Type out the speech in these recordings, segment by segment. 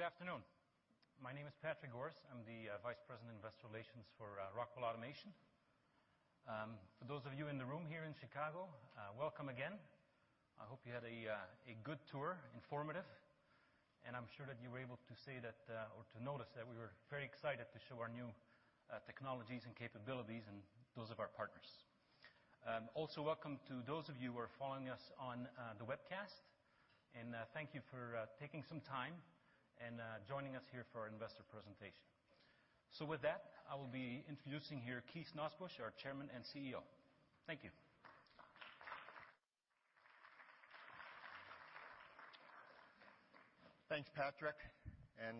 Good afternoon. My name is Patrick Goris. I am the Vice President, Investor Relations for Rockwell Automation. For those of you in the room here in Chicago, welcome again. I hope you had a good tour, informative, and I am sure that you were able to say that or to notice that we were very excited to show our new technologies and capabilities and those of our partners. Welcome to those of you who are following us on the webcast, and thank you for taking some time and joining us here for our investor presentation. With that, I will be introducing here Keith Nosbusch, our Chairman and CEO. Thank you. Thanks, Patrick.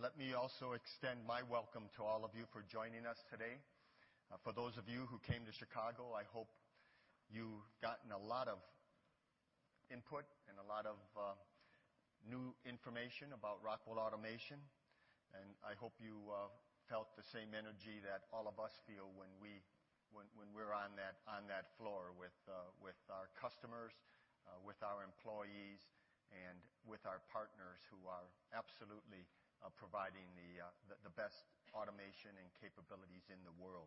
Let me also extend my welcome to all of you for joining us today. For those of you who came to Chicago, I hope you have gotten a lot of input and a lot of new information about Rockwell Automation. I hope you felt the same energy that all of us feel when we are on that floor with our customers, with our employees, and with our partners who are absolutely providing the best automation and capabilities in the world.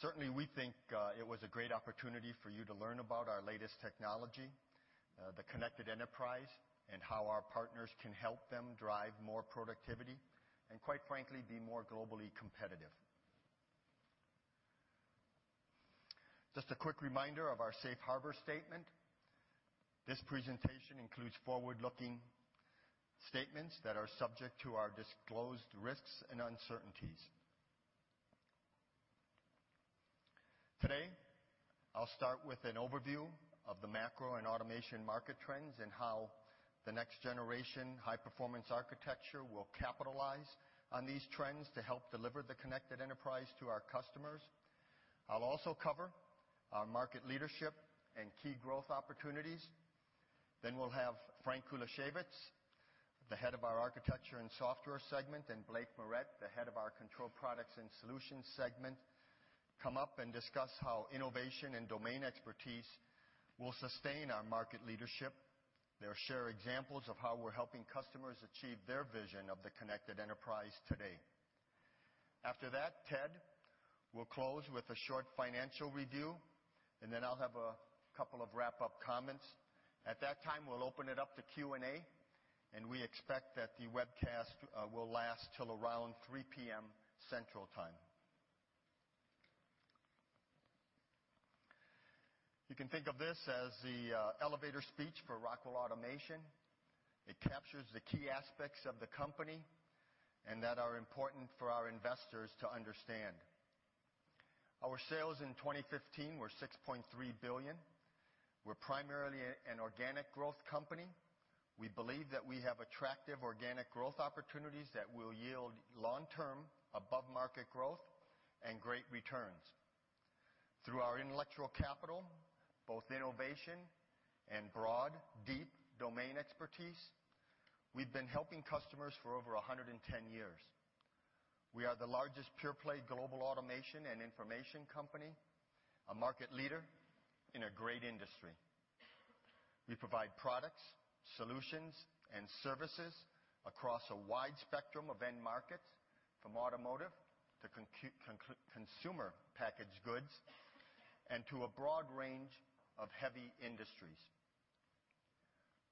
Certainly, we think it was a great opportunity for you to learn about our latest technology, the Connected Enterprise, and how our partners can help them drive more productivity, and quite frankly, be more globally competitive. Just a quick reminder of our safe harbor statement. This presentation includes forward-looking statements that are subject to our disclosed risks and uncertainties. Today, I will start with an overview of the macro and automation market trends and how the next-generation High-Performance Architecture will capitalize on these trends to help deliver the Connected Enterprise to our customers. I will also cover our market leadership and key growth opportunities. We will have Frank Kulaszewicz, the head of our Architecture & Software segment, and Blake Moret, the head of our Control Products & Solutions segment, come up and discuss how innovation and domain expertise will sustain our market leadership. They will share examples of how we are helping customers achieve their vision of the Connected Enterprise today. After that, Ted will close with a short financial review. Then I will have a couple of wrap-up comments. At that time, we will open it up to Q&A. We expect that the webcast will last till around 3:00 P.M. Central Time. You can think of this as the elevator speech for Rockwell Automation. It captures the key aspects of the company that are important for our investors to understand. Our sales in 2015 were $6.3 billion. We are primarily an organic growth company. We believe that we have attractive organic growth opportunities that will yield long-term above-market growth and great returns. Through our intellectual capital, both innovation and broad, deep domain expertise, we have been helping customers for over 110 years. We are the largest pure-play global automation and information company, a market leader in a great industry. We provide products, solutions, and services across a wide spectrum of end markets, from automotive to consumer packaged goods, to a broad range of heavy industries.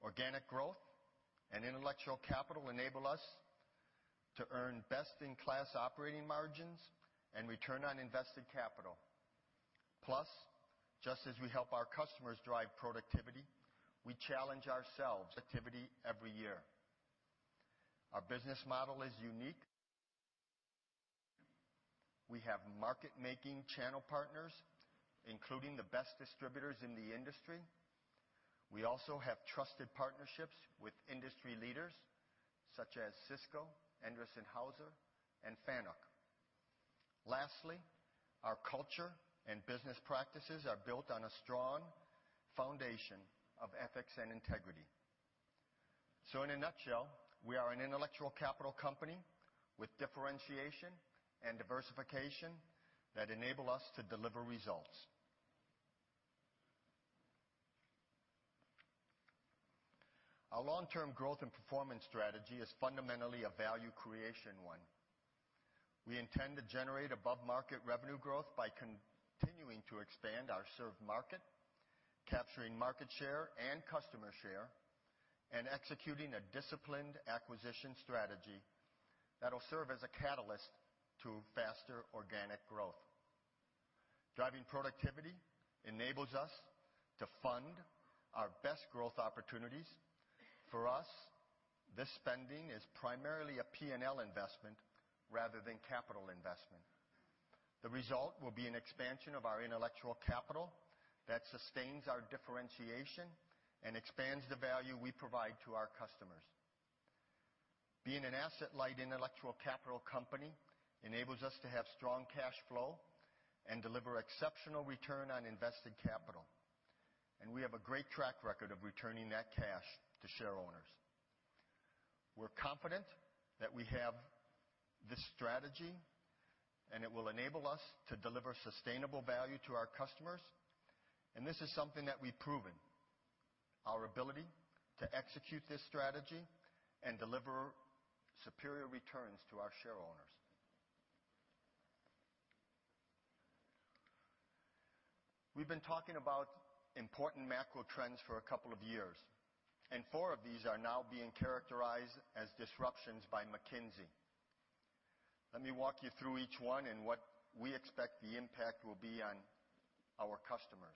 Organic growth and intellectual capital enable us to earn best-in-class operating margins and return on invested capital. Just as we help our customers drive productivity, we challenge ourselves on activity every year. Our business model is unique. We have market-making channel partners, including the best distributors in the industry. We also have trusted partnerships with industry leaders such as Cisco, Endress+Hauser, and FANUC. Lastly, our culture and business practices are built on a strong foundation of ethics and integrity. In a nutshell, we are an intellectual capital company with differentiation and diversification that enable us to deliver results. Our long-term growth and performance strategy is fundamentally a value creation one. We intend to generate above-market revenue growth by continuing to expand our served market, capturing market share and customer share, and executing a disciplined acquisition strategy that'll serve as a catalyst to faster organic growth. Driving productivity enables us to fund our best growth opportunities. For us, this spending is primarily a P&L investment rather than capital investment. The result will be an expansion of our intellectual capital that sustains our differentiation and expands the value we provide to our customers. Being an asset-light intellectual capital company enables us to have strong cash flow and deliver exceptional return on invested capital. We have a great track record of returning that cash to shareowners. We're confident that we have this strategy, and it will enable us to deliver sustainable value to our customers. This is something that we've proven, our ability to execute this strategy and deliver superior returns to our shareowners. We've been talking about important macro trends for a couple of years, and four of these are now being characterized as disruptions by McKinsey. Let me walk you through each one and what we expect the impact will be on our customers.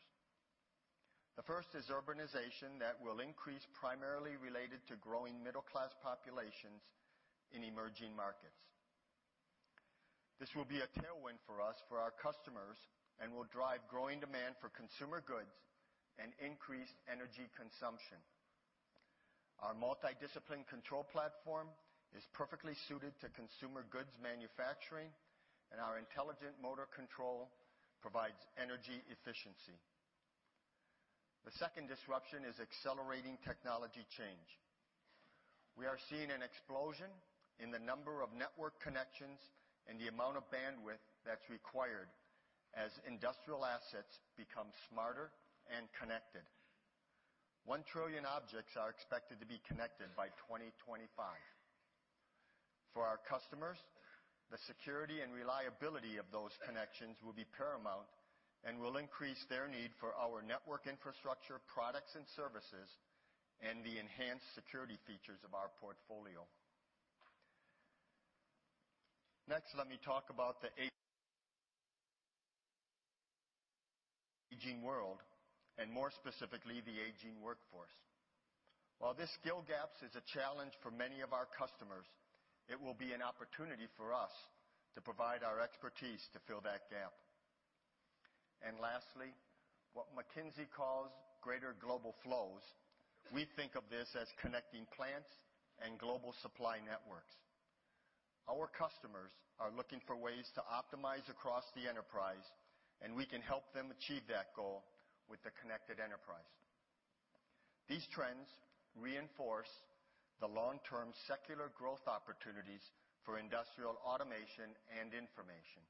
The first is urbanization that will increase primarily related to growing middle-class populations in emerging markets. This will be a tailwind for us, for our customers, and will drive growing demand for consumer goods and increased energy consumption. Our multi-discipline control platform is perfectly suited to consumer goods manufacturing, and our Intelligent Motor Control provides energy efficiency. The second disruption is accelerating technology change. We are seeing an explosion in the number of network connections and the amount of bandwidth that's required as industrial assets become smarter and connected. 1 trillion objects are expected to be connected by 2025. For our customers, the security and reliability of those connections will be paramount and will increase their need for our network infrastructure products and services and the enhanced security features of our portfolio. Let me talk about the aging world and more specifically, the aging workforce. While this skill gap is a challenge for many of our customers, it will be an opportunity for us to provide our expertise to fill that gap. Lastly, what McKinsey calls greater global flows, we think of this as connecting plants and global supply networks. Our customers are looking for ways to optimize across the enterprise, and we can help them achieve that goal with the Connected Enterprise. These trends reinforce the long-term secular growth opportunities for industrial automation and information.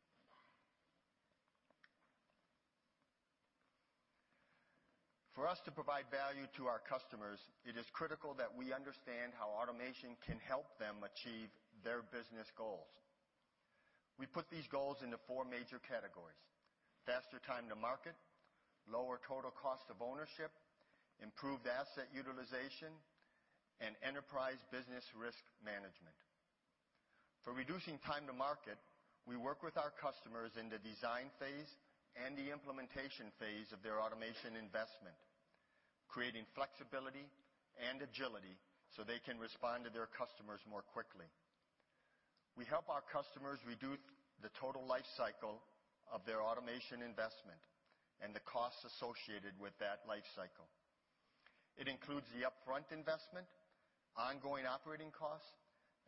For us to provide value to our customers, it is critical that we understand how automation can help them achieve their business goals. We put these goals into 4 major categories: faster time to market, lower total cost of ownership, improved asset utilization, and enterprise business risk management. For reducing time to market, we work with our customers in the design phase and the implementation phase of their automation investment, creating flexibility and agility so they can respond to their customers more quickly. We help our customers reduce the total life cycle of their automation investment and the costs associated with that life cycle. It includes the upfront investment, ongoing operating costs,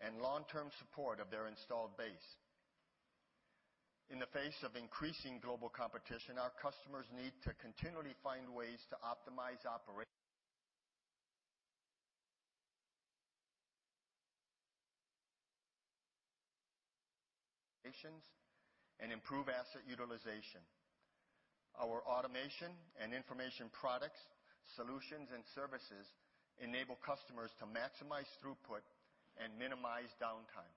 and long-term support of their installed base. In the face of increasing global competition, our customers need to continually find ways to optimize operations and improve asset utilization. Our automation and information products, solutions, and services enable customers to maximize throughput and minimize downtime.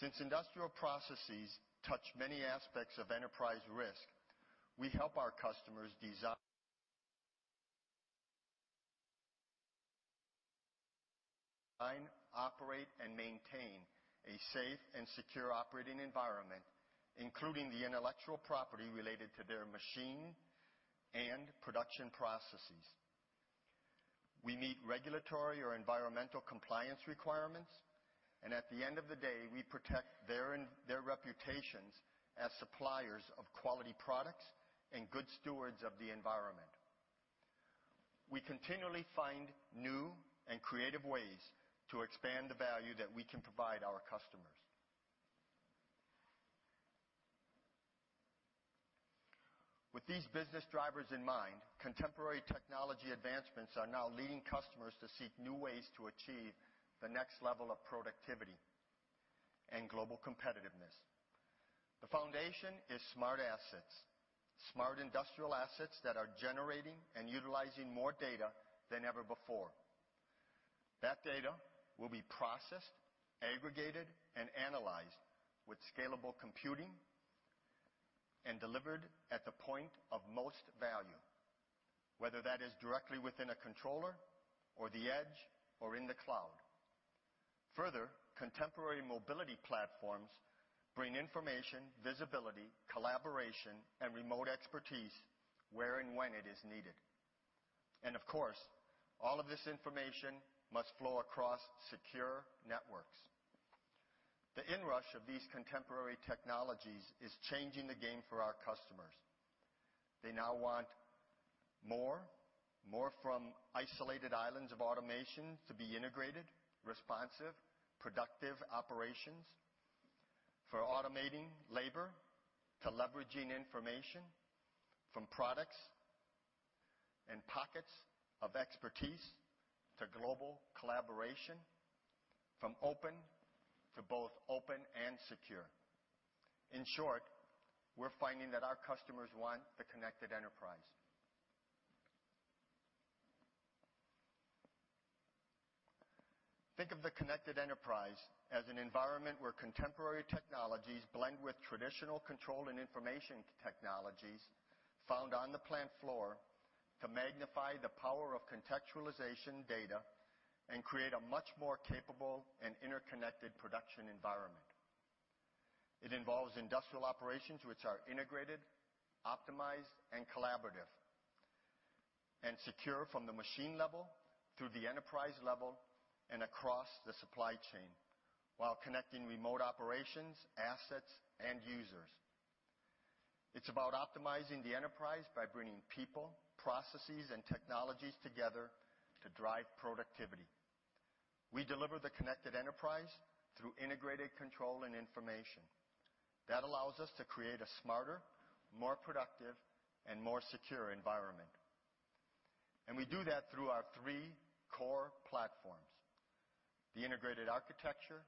Since industrial processes touch many aspects of enterprise risk, we help our customers design, operate, and maintain a safe and secure operating environment, including the intellectual property related to their machine and production processes. At the end of the day, we protect their reputations as suppliers of quality products and good stewards of the environment. We continually find new and creative ways to expand the value that we can provide our customers. With these business drivers in mind, contemporary technology advancements are now leading customers to seek new ways to achieve the next level of productivity and global competitiveness. The foundation is smart assets, smart industrial assets that are generating and utilizing more data than ever before. That data will be processed, aggregated, and analyzed with scalable computing and delivered at the point of most value, whether that is directly within a controller or the edge or in the cloud. Further, contemporary mobility platforms bring information, visibility, collaboration, and remote expertise where and when it is needed. Of course, all of this information must flow across secure networks. The inrush of these contemporary technologies is changing the game for our customers. They now want more, more from isolated islands of automation to be integrated, responsive, productive operations. For automating labor to leveraging information from products and pockets of expertise to global collaboration, from open to both open and secure. In short, we're finding that our customers want the Connected Enterprise. Think of the Connected Enterprise as an environment where contemporary technologies blend with traditional control and information technologies found on the plant floor to magnify the power of contextualization data and create a much more capable and interconnected production environment. It involves industrial operations which are integrated, optimized, and collaborative, and secure from the machine level through the enterprise level and across the supply chain, while connecting remote operations, assets, and users. It's about optimizing the enterprise by bringing people, processes, and technologies together to drive productivity. We deliver the Connected Enterprise through integrated control and information. That allows us to create a smarter, more productive, and more secure environment. We do that through our three core platforms, the Integrated Architecture,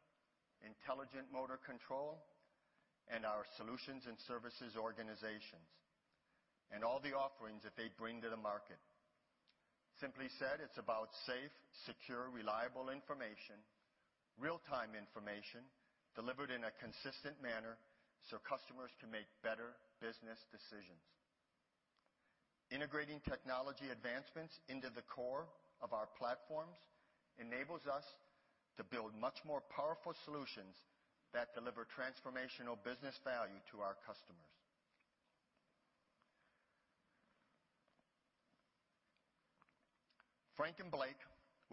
Intelligent Motor Control, and our solutions and services organizations, and all the offerings that they bring to the market. Simply said, it's about safe, secure, reliable information, real-time information, delivered in a consistent manner so customers can make better business decisions. Integrating technology advancements into the core of our platforms enables us to build much more powerful solutions that deliver transformational business value to our customers. Frank and Blake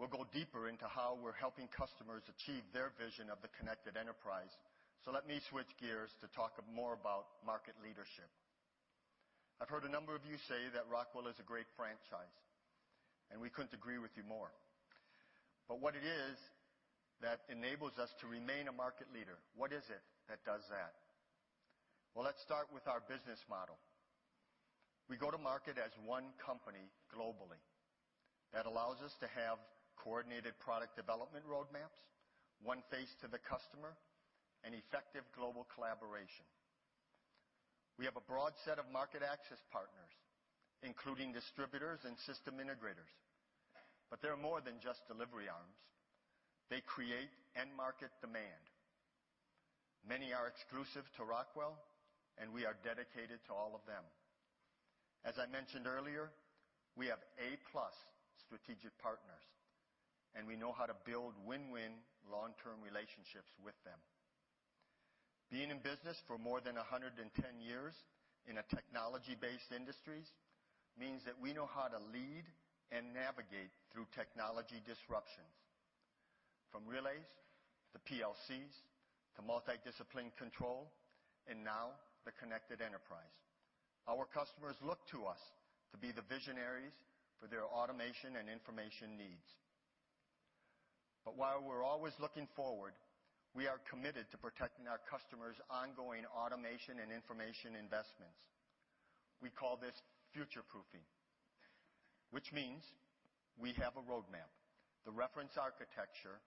will go deeper into how we're helping customers achieve their vision of the Connected Enterprise. Let me switch gears to talk more about market leadership. I've heard a number of you say that Rockwell Automation is a great franchise, and we couldn't agree with you more. What it is that enables us to remain a market leader, what is it that does that? Let's start with our business model. We go to market as one company globally. That allows us to have coordinated product development roadmaps, one face to the customer, and effective global collaboration. We have a broad set of market access partners, including distributors and system integrators. They're more than just delivery arms. They create end-market demand. Many are exclusive to Rockwell Automation, and we are dedicated to all of them. As I mentioned earlier, we have A-plus strategic partners. We know how to build win-win long-term relationships with them. Being in business for more than 110 years in a technology-based industry means that we know how to lead and navigate through technology disruptions, from relays to PLCs to multi-discipline control, and now the Connected Enterprise. Our customers look to us to be the visionaries for their automation and information needs. While we're always looking forward, we are committed to protecting our customers' ongoing automation and information investments. We call this future-proofing, which means we have a roadmap, the reference architecture,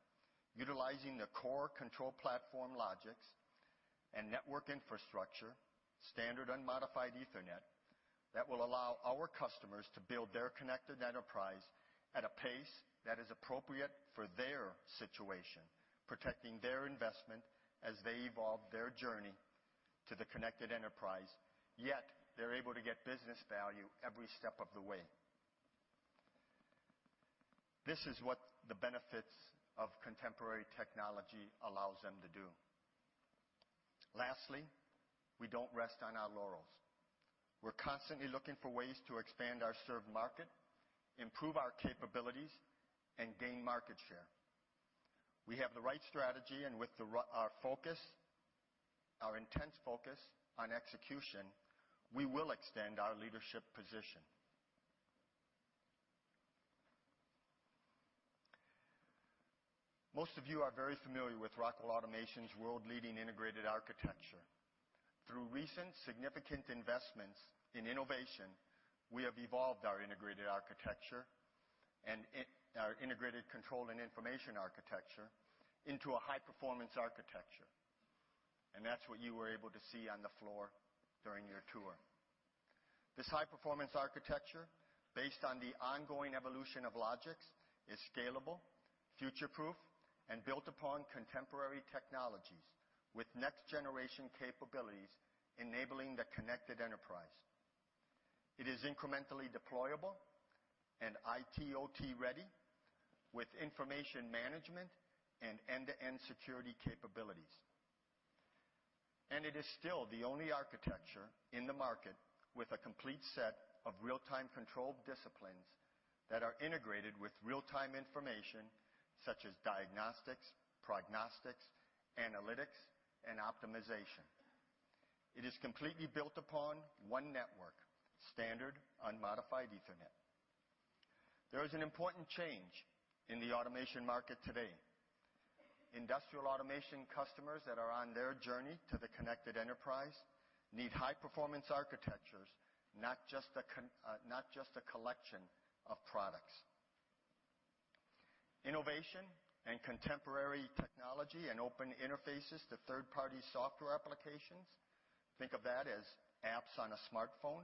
utilizing the core control platform Logix and network infrastructure, standard unmodified Ethernet, that will allow our customers to build their Connected Enterprise at a pace that is appropriate for their situation, protecting their investment as they evolve their journey to the Connected Enterprise, yet they're able to get business value every step of the way. This is what the benefits of contemporary technology allows them to do. Lastly, we don't rest on our laurels. We're constantly looking for ways to expand our served market, improve our capabilities, and gain market share. We have the right strategy, and with our focus, our intense focus on execution, we will extend our leadership position. Most of you are very familiar with Rockwell Automation's world-leading Integrated Architecture. Through recent significant investments in innovation, we have evolved our Integrated Architecture and our integrated control and information architecture into a High-Performance Architecture. That's what you were able to see on the floor during your tour. This High-Performance Architecture, based on the ongoing evolution of Logix, is scalable, future-proof, and built upon contemporary technologies with next-generation capabilities enabling the Connected Enterprise. It is incrementally deployable and IT/OT-ready with information management and end-to-end security capabilities. It is still the only architecture in the market with a complete set of real-time control disciplines that are integrated with real-time information such as diagnostics, prognostics, analytics, and optimization. It is completely built upon one network, standard unmodified Ethernet. There is an important change in the automation market today. Industrial automation customers that are on their journey to the Connected Enterprise need High-Performance Architectures, not just a collection of products. Innovation and contemporary technology and open interfaces to third-party software applications, think of that as apps on a smartphone,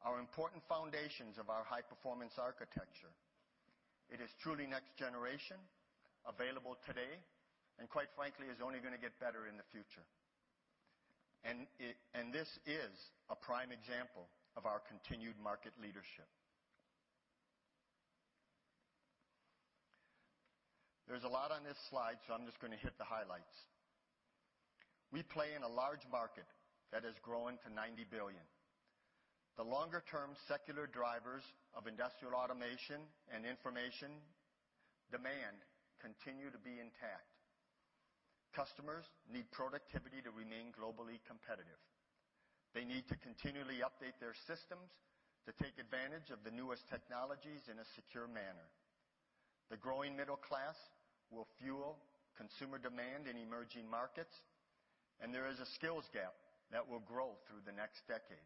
are important foundations of our High-Performance Architecture. It is truly next generation, available today, and quite frankly, is only going to get better in the future. This is a prime example of our continued market leadership. There's a lot on this slide, so I'm just going to hit the highlights. We play in a large market that has grown to $90 billion. The longer-term secular drivers of industrial automation and information demand continue to be intact. Customers need productivity to remain globally competitive. They need to continually update their systems to take advantage of the newest technologies in a secure manner. The growing middle class will fuel consumer demand in emerging markets, and there is a skills gap that will grow through the next decade.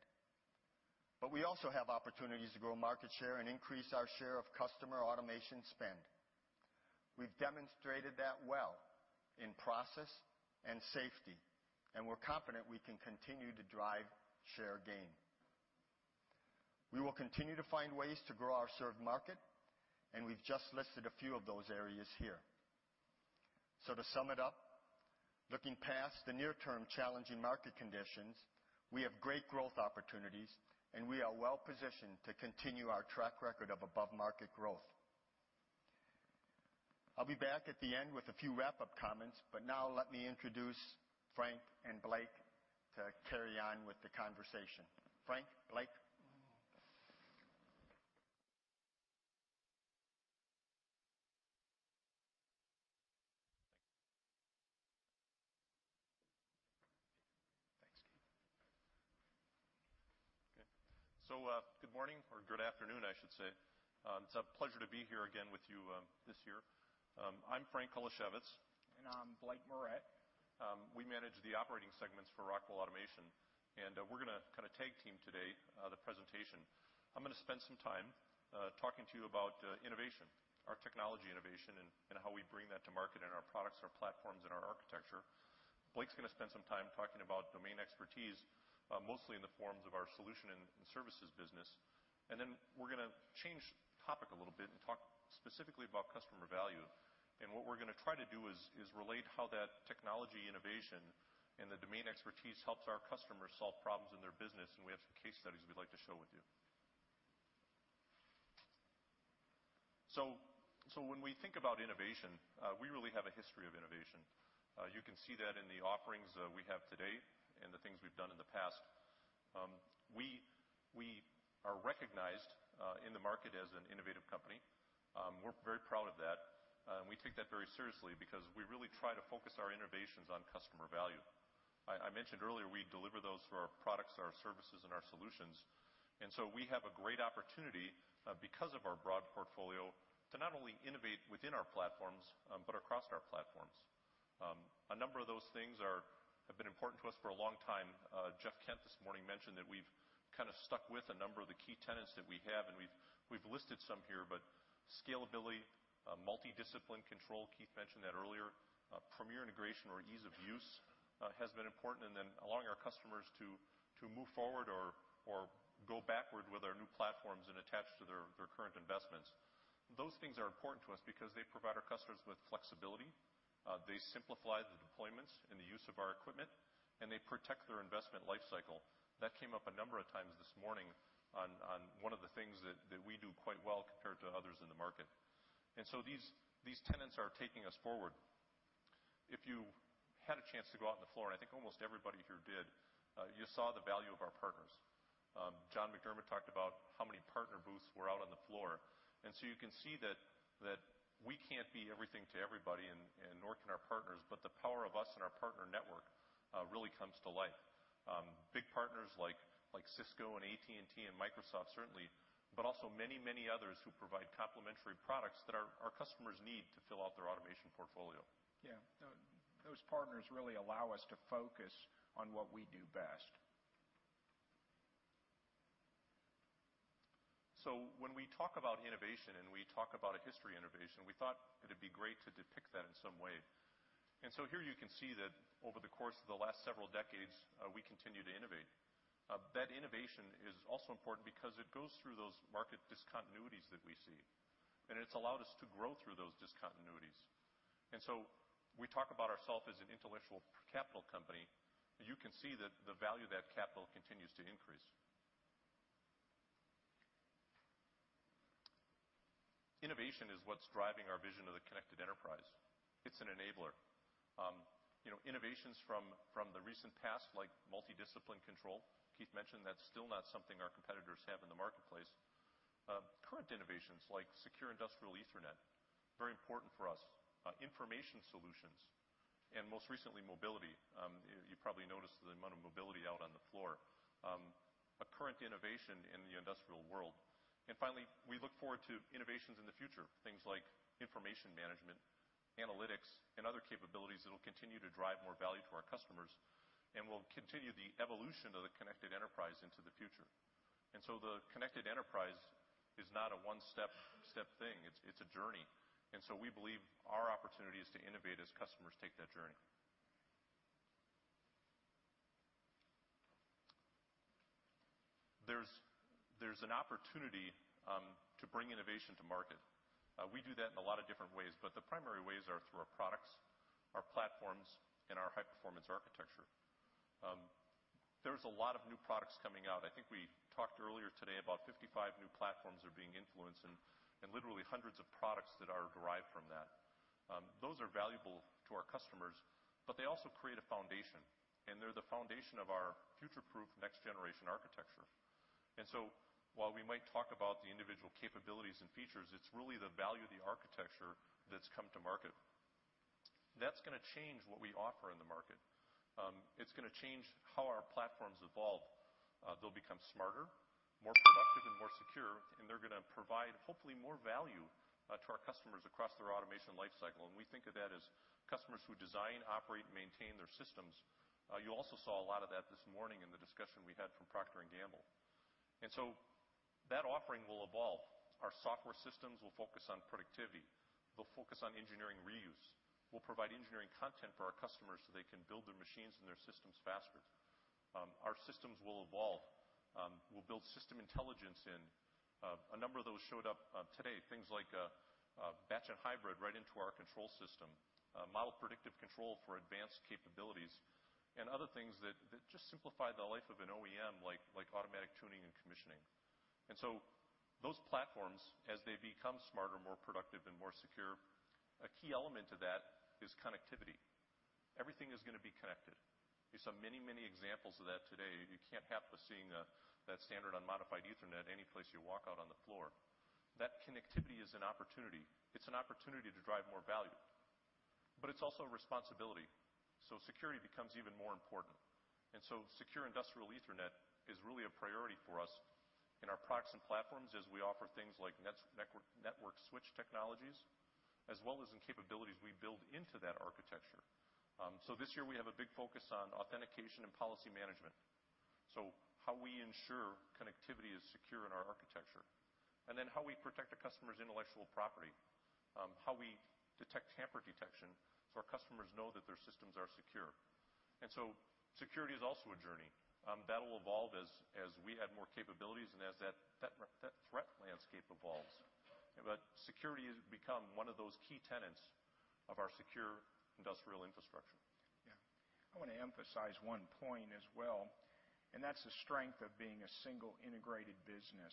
We also have opportunities to grow market share and increase our share of customer automation spend. We've demonstrated that well in process and safety, and we're confident we can continue to drive share gain. We will continue to find ways to grow our served market, and we've just listed a few of those areas here. To sum it up, looking past the near-term challenging market conditions, we have great growth opportunities, and we are well-positioned to continue our track record of above-market growth. I'll be back at the end with a few wrap-up comments, now let me introduce Frank and Blake to carry on with the conversation. Frank, Blake? Thanks, Keith. Okay. Good morning, or good afternoon, I should say. It's a pleasure to be here again with you this year. I'm Frank Kulaszewicz. I'm Blake Moret. We manage the operating segments for Rockwell Automation, we're going to kind of tag team today, the presentation. I'm going to spend some time talking to you about innovation, our technology innovation, and how we bring that to market in our products, our platforms, and our architecture. Blake's going to spend some time talking about domain expertise, mostly in the forms of our solution and services business. Then we're going to change topic a little bit and talk specifically about customer value. What we're going to try to do is relate how that technology innovation and the domain expertise helps our customers solve problems in their business, and we have some case studies we'd like to share with you. When we think about innovation, we really have a history of innovation. You can see that in the offerings we have today and the things we've done in the past. We are recognized in the market as an innovative company. We're very proud of that, we take that very seriously because we really try to focus our innovations on customer value. I mentioned earlier, we deliver those through our products, our services, and our solutions. We have a great opportunity because of our broad portfolio to not only innovate within our platforms but across our platforms. A number of those things have been important to us for a long time. Jeff Kent this morning mentioned that we've kind of stuck with a number of the key tenets that we have, we've listed some here, scalability, multi-discipline control, Keith mentioned that earlier. Premier Integration or ease of use has been important. Then allowing our customers to move forward or go backward with our new platforms and attach to their current investments. Those things are important to us because they provide our customers with flexibility, they simplify the deployments and the use of our equipment, they protect their investment life cycle. That came up a number of times this morning on one of the things that we do quite well compared to others in the market. These tenets are taking us forward. If you had a chance to go out on the floor, I think almost everybody here did, you saw the value of our partners. John McDermott talked about how many partner booths were out on the floor. You can see that we can't be everything to everybody, nor can our partners, the power of us and our partner network really comes to light. Big partners like Cisco and AT&T and Microsoft certainly, also many others who provide complementary products that our customers need to fill out their automation portfolio. Those partners really allow us to focus on what we do best. When we talk about innovation and we talk about a history of innovation, we thought it'd be great to depict that in some way. Here you can see that over the course of the last several decades, we continue to innovate. That innovation is also important because it goes through those market discontinuities that we see, and it's allowed us to grow through those discontinuities. We talk about ourself as an intellectual capital company. You can see that the value of that capital continues to increase. Innovation is what's driving our vision of the Connected Enterprise. It's an enabler. Innovations from the recent past, like multi-discipline control, Keith mentioned that's still not something our competitors have in the marketplace. Current innovations like secure industrial Ethernet, very important for us. Information solutions. Most recently, mobility. You probably noticed the amount of mobility out on the floor, a current innovation in the industrial world. Finally, we look forward to innovations in the future, things like information management, analytics, and other capabilities that'll continue to drive more value to our customers and will continue the evolution of the Connected Enterprise into the future. The Connected Enterprise is not a one-step thing. It's a journey. We believe our opportunity is to innovate as customers take that journey. There's an opportunity to bring innovation to market. We do that in a lot of different ways, but the primary ways are through our products, our platforms, and our High-Performance Architecture. There's a lot of new products coming out. I think we talked earlier today about 55 new platforms are being influenced and literally hundreds of products that are derived from that. Those are valuable to our customers, but they also create a foundation, and they're the foundation of our future-proof, next-generation architecture. While we might talk about the individual capabilities and features, it's really the value of the architecture that's come to market. That's going to change what we offer in the market. It's going to change how our platforms evolve. They'll become smarter, more productive, and more secure, and they're going to provide, hopefully, more value to our customers across their automation lifecycle. We think of that as customers who design, operate, and maintain their systems. You also saw a lot of that this morning in the discussion we had from Procter & Gamble. That offering will evolve. Our software systems will focus on productivity. They'll focus on engineering reuse. We'll provide engineering content for our customers so they can build their machines and their systems faster. Our systems will evolve. We'll build system intelligence in. A number of those showed up today, things like batch and hybrid right into our control system, model predictive control for advanced capabilities, and other things that just simplify the life of an OEM, like automatic tuning and commissioning. Those platforms, as they become smarter, more productive, and more secure, a key element to that is connectivity. Everything is going to be connected. You saw many, many examples of that today. You can't help but seeing that standard unmodified Ethernet any place you walk out on the floor. That connectivity is an opportunity. It's an opportunity to drive more value, but it's also a responsibility, so security becomes even more important. Secure industrial Ethernet is really a priority for us in our products and platforms as we offer things like network switch technologies, as well as in capabilities we build into that architecture. This year, we have a big focus on authentication and policy management, so how we ensure connectivity is secure in our architecture, then how we protect a customer's intellectual property, how we detect tamper detection so our customers know that their systems are secure. Security is also a journey. That'll evolve as we add more capabilities and as that threat landscape evolves. Security has become one of those key tenets of our secure industrial infrastructure. I want to emphasize one point as well, and that's the strength of being a single integrated business.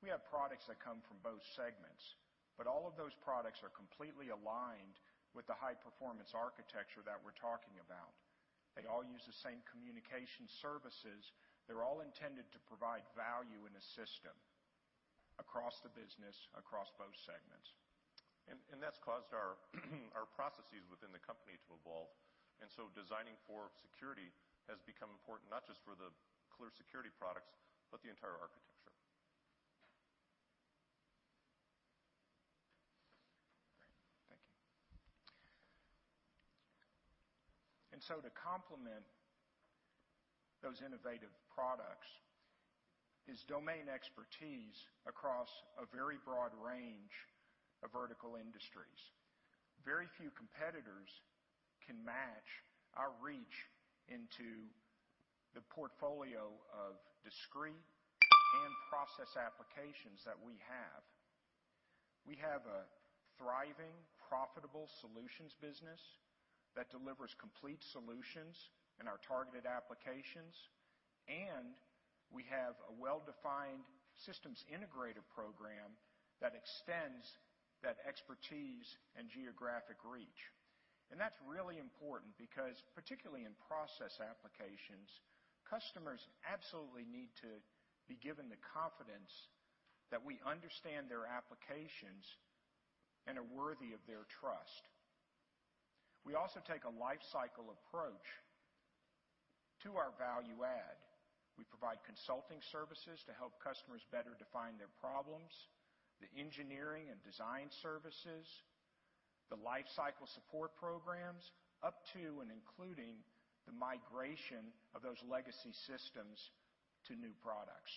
We have products that come from both segments, but all of those products are completely aligned with the High-Performance Architecture that we're talking about. They all use the same communication services. They're all intended to provide value in a system across the business, across both segments. That's caused our processes within the company to evolve. Designing for security has become important, not just for the clear security products, but the entire architecture. Great. Thank you. To complement those innovative products is domain expertise across a very broad range of vertical industries. Very few competitors can match our reach into the portfolio of discrete and process applications that we have. We have a thriving, profitable solutions business that delivers complete solutions in our targeted applications, and we have a well-defined systems integrator program that extends that expertise and geographic reach. That's really important because particularly in process applications, customers absolutely need to be given the confidence that we understand their applications and are worthy of their trust. We also take a lifecycle approach to our value add. We provide consulting services to help customers better define their problems, the engineering and design services, the lifecycle support programs, up to and including the migration of those legacy systems to new products.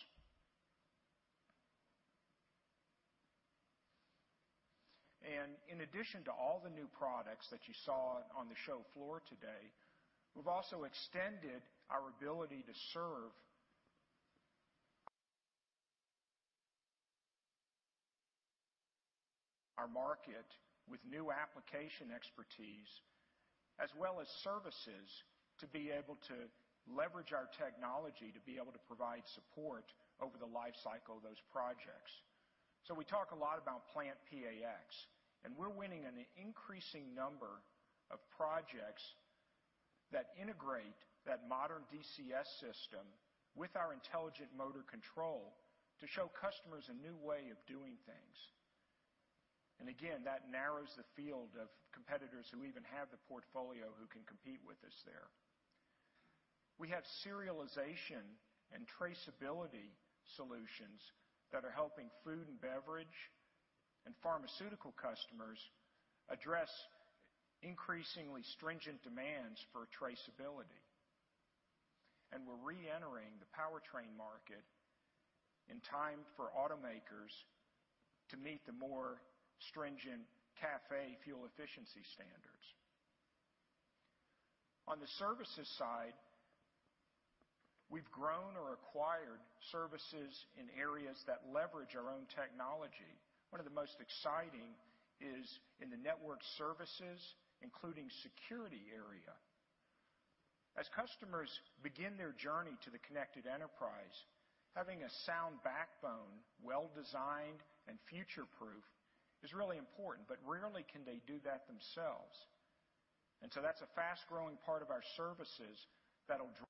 In addition to all the new products that you saw on the show floor today, we've also extended our ability to serve our market with new application expertise as well as services to be able to leverage our technology to be able to provide support over the lifecycle of those projects. We talk a lot about PlantPAx, and we're winning an increasing number of projects that integrate that modern DCS system with our Intelligent Motor Control to show customers a new way of doing things. Again, that narrows the field of competitors who even have the portfolio who can compete with us there. We have serialization and traceability solutions that are helping food and beverage and pharmaceutical customers address increasingly stringent demands for traceability. We're re-entering the powertrain market in time for automakers to meet the more stringent CAFE fuel efficiency standards. On the services side, we've grown or acquired services in areas that leverage our own technology. One of the most exciting is in the network services, including security area. As customers begin their journey to the Connected Enterprise, having a sound backbone, well-designed, and future-proof is really important, but rarely can they do that themselves. That's a fast-growing part of our services. Than the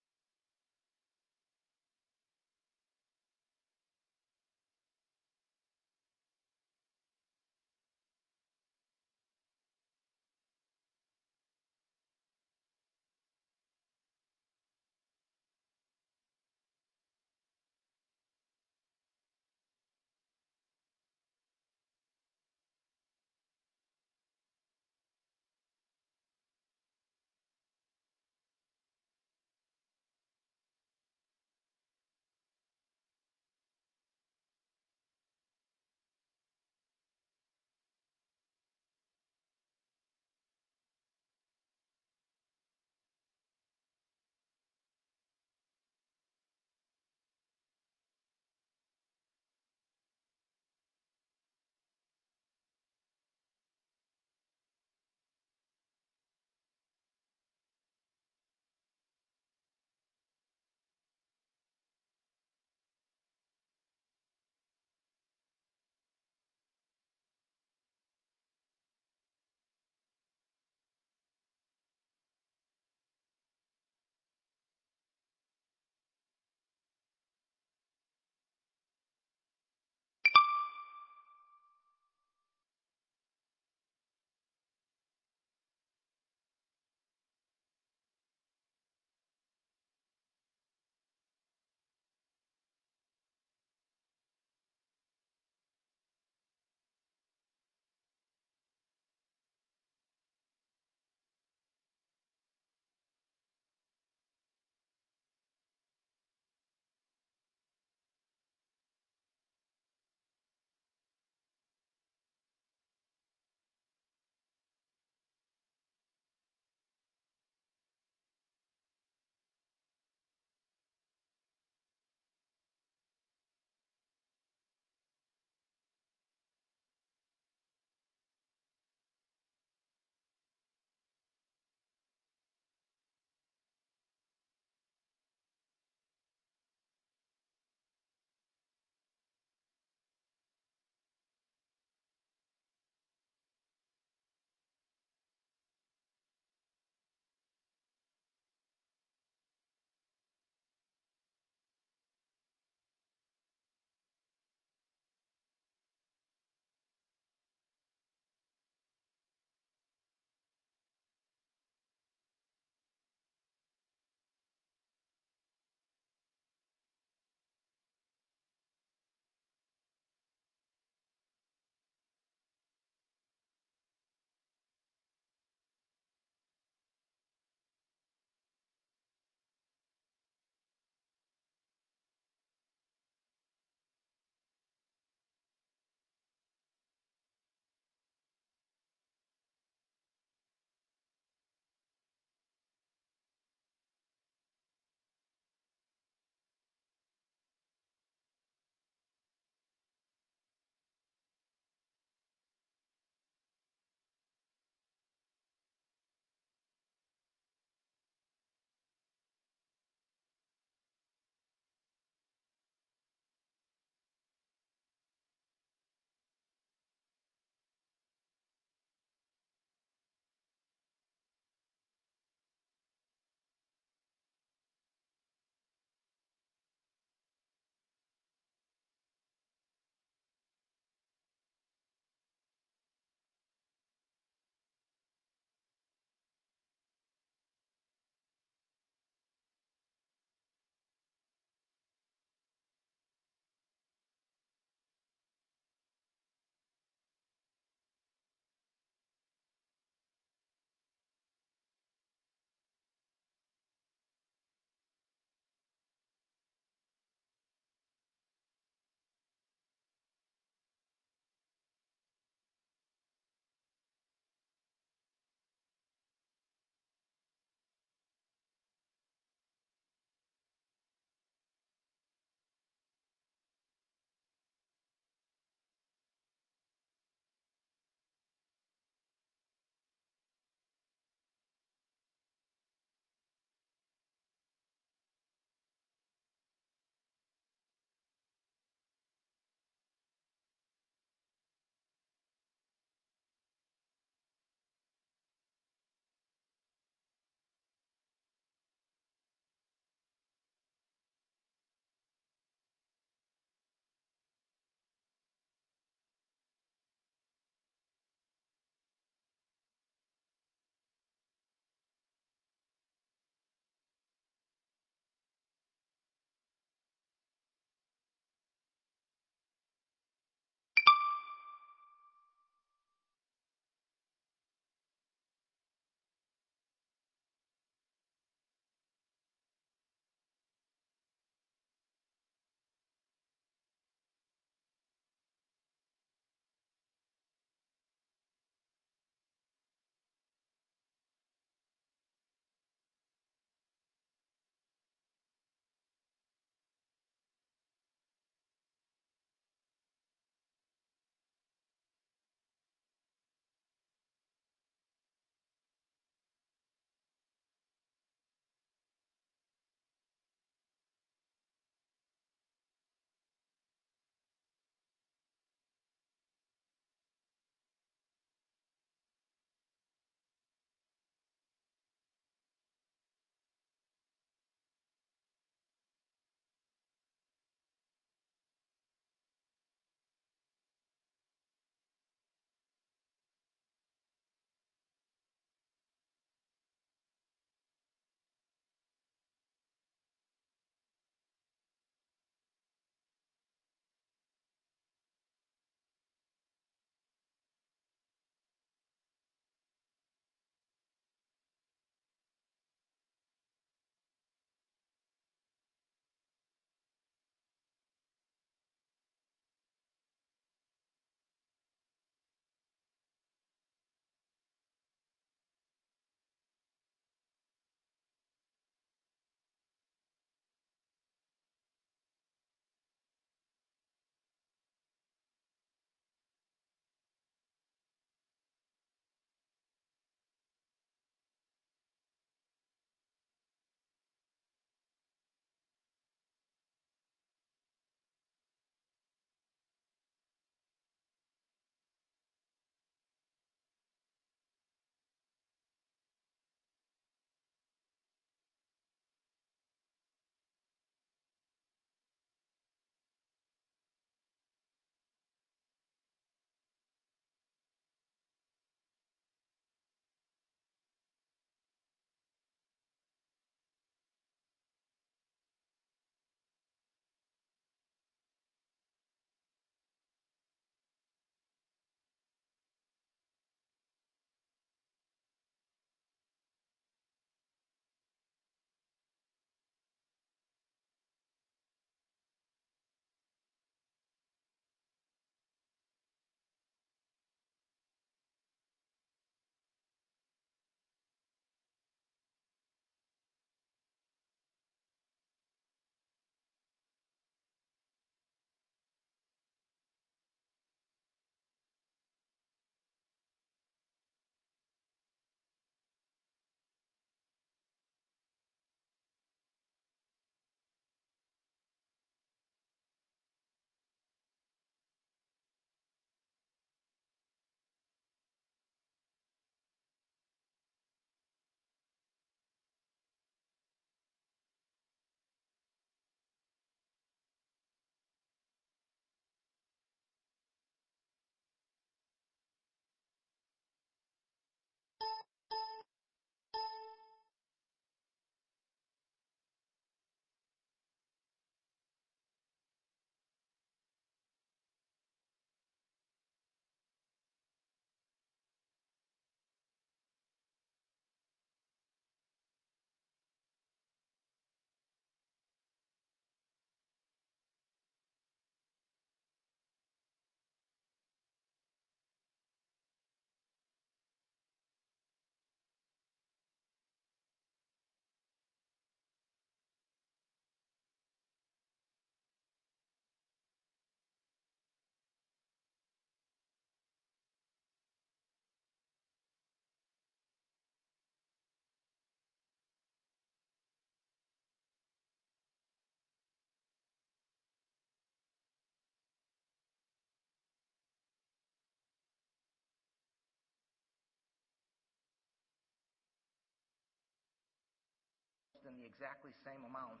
exactly same amount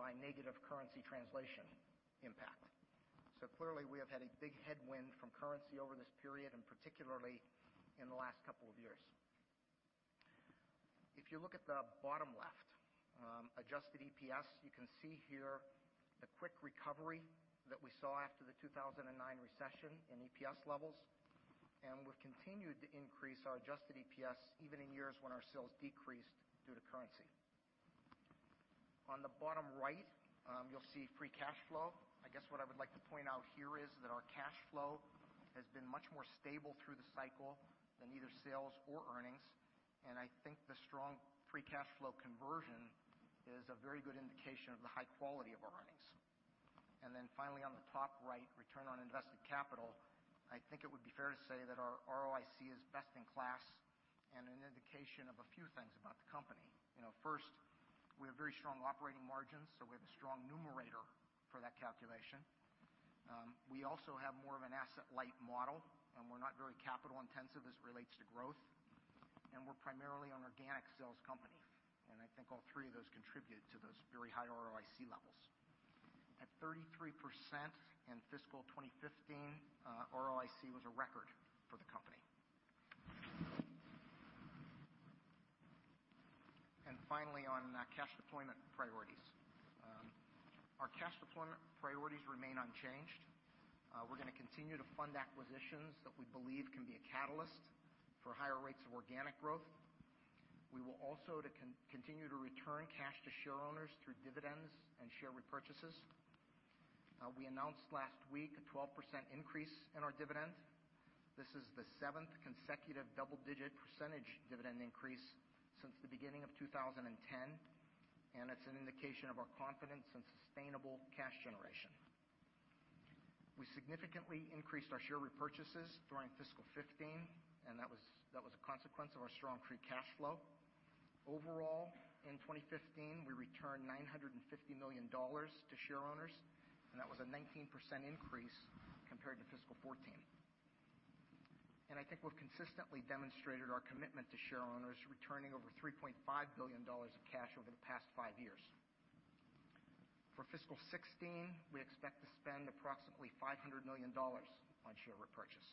by negative currency translation impact. Clearly, we have had a big headwind from currency over this period, and particularly in the last couple of years. If you look at the bottom left, adjusted EPS, you can see here the quick recovery that we saw after the 2009 recession in EPS levels, and we've continued to increase our adjusted EPS even in years when our sales decreased due to currency. On the bottom right, you'll see free cash flow. I guess what I would like to point out here is that our cash flow has been much more stable through the cycle than either sales or earnings, I think the strong free cash flow conversion is a very good indication of the high quality of our earnings. Finally, on the top right, return on invested capital, I think it would be fair to say that our ROIC is best in class and an indication of a few things about the company. First, we have very strong operating margins, so we have a strong numerator for that calculation. We also have more of an asset-light model, and we're not very capital-intensive as it relates to growth. We're primarily an organic sales company, and I think all three of those contribute to those very high ROIC levels. At 33% in fiscal 2015, ROIC was a record for the company. Finally, on cash deployment priorities. Our cash deployment priorities remain unchanged. We're going to continue to fund acquisitions that we believe can be a catalyst for higher rates of organic growth. We will also continue to return cash to shareowners through dividends and share repurchases. We announced last week a 12% increase in our dividend. This is the seventh consecutive double-digit percentage dividend increase since the beginning of 2010, and it's an indication of our confidence in sustainable cash generation. We significantly increased our share repurchases during fiscal 2015, and that was a consequence of our strong free cash flow. Overall, in 2015, we returned $950 million to shareowners, and that was a 19% increase compared to fiscal 2014. I think we've consistently demonstrated our commitment to shareowners, returning over $3.5 billion of cash over the past five years. For fiscal 2016, we expect to spend approximately $500 million on share repurchase.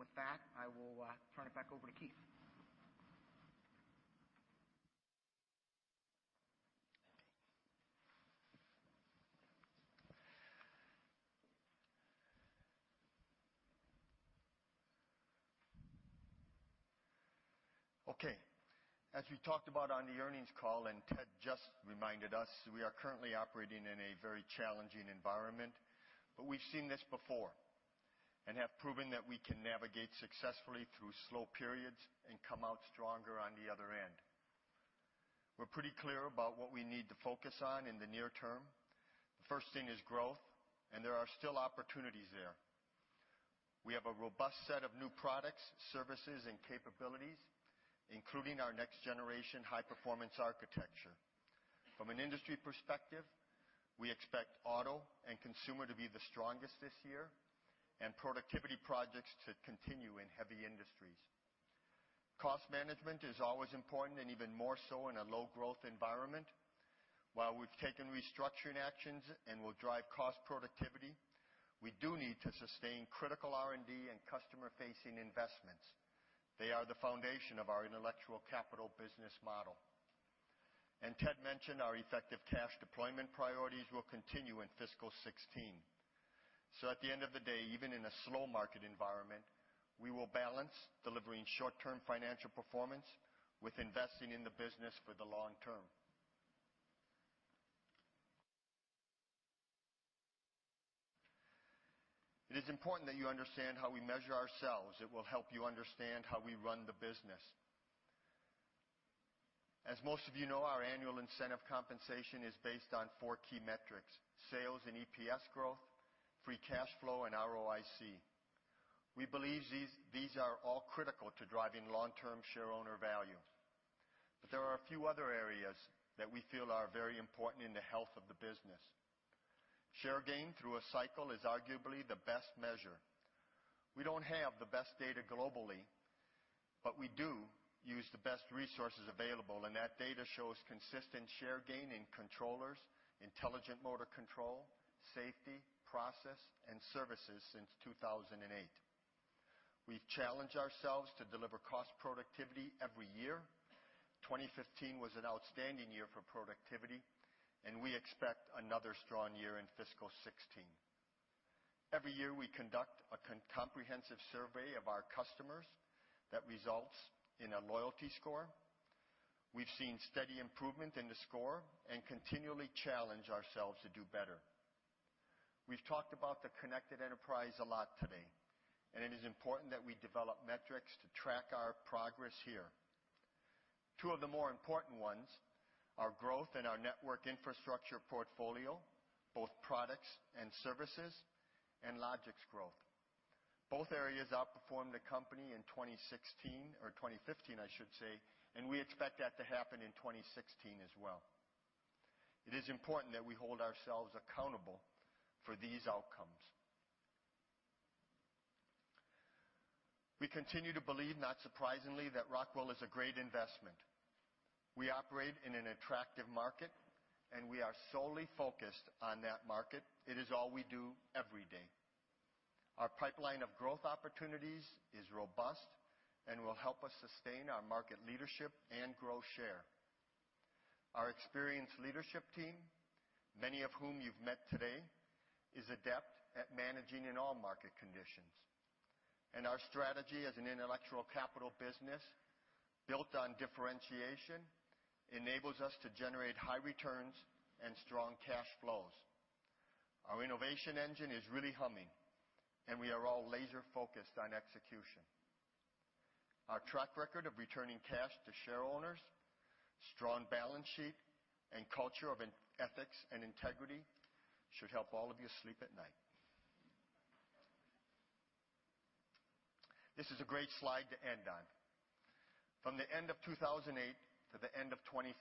With that, I will turn it back over to Keith. Okay. As we talked about on the earnings call, and Ted just reminded us, we are currently operating in a very challenging environment, but we've seen this before and have proven that we can navigate successfully through slow periods and come out stronger on the other end. We're pretty clear about what we need to focus on in the near term. The first thing is growth, and there are still opportunities there. We have a robust set of new products, services, and capabilities, including our next-generation High-Performance Architecture. From an industry perspective, we expect auto and consumer to be the strongest this year, and productivity projects to continue in heavy industries. Cost management is always important and even more so in a low-growth environment. While we've taken restructuring actions and will drive cost We do need to sustain critical R&D and customer-facing investments. They are the foundation of our intellectual capital business model. Ted mentioned our effective cash deployment priorities will continue in fiscal 2016. At the end of the day, even in a slow market environment, we will balance delivering short-term financial performance with investing in the business for the long term. It is important that you understand how we measure ourselves. It will help you understand how we run the business. As most of you know, our annual incentive compensation is based on four key metrics, sales and EPS growth, free cash flow, and ROIC. We believe these are all critical to driving long-term shareowner value. There are a few other areas that we feel are very important in the health of the business. Share gain through a cycle is arguably the best measure. We don't have the best data globally, but we do use the best resources available, and that data shows consistent share gain in controllers, Intelligent Motor Control, safety, process, and services since 2008. We've challenged ourselves to deliver cost productivity every year. 2015 was an outstanding year for productivity, and we expect another strong year in fiscal 2016. Every year, we conduct a comprehensive survey of our customers that results in a loyalty score. We've seen steady improvement in the score and continually challenge ourselves to do better. It is important that we develop metrics to track our progress here. Two of the more important ones are growth in our network infrastructure portfolio, both products and services, and Logix growth. Both areas outperformed the company in 2016 or 2015, I should say, and we expect that to happen in 2016 as well. It is important that we hold ourselves accountable for these outcomes. We continue to believe, not surprisingly, that Rockwell is a great investment. We operate in an attractive market, and we are solely focused on that market. It is all we do every day. Our pipeline of growth opportunities is robust and will help us sustain our market leadership and grow share. Our experienced leadership team, many of whom you've met today, is adept at managing in all market conditions, and our strategy as an intellectual capital business built on differentiation enables us to generate high returns and strong cash flows. Our innovation engine is really humming, and we are all laser-focused on execution. Our track record of returning cash to shareowners, strong balance sheet, and culture of ethics and integrity should help all of you sleep at night. This is a great slide to end on. From the end of 2008 to the end of 2015,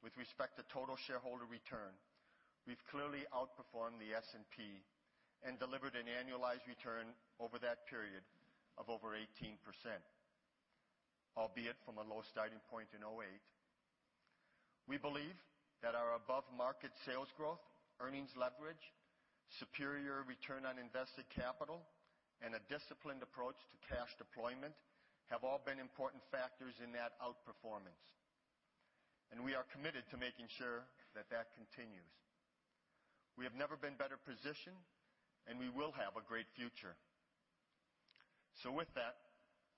with respect to total shareholder return, we've clearly outperformed the S&P and delivered an annualized return over that period of over 18%, albeit from a low starting point in 2008. We believe that our above-market sales growth, earnings leverage, superior return on invested capital, and a disciplined approach to cash deployment have all been important factors in that outperformance, and we are committed to making sure that that continues. We have never been better positioned, and we will have a great future. With that,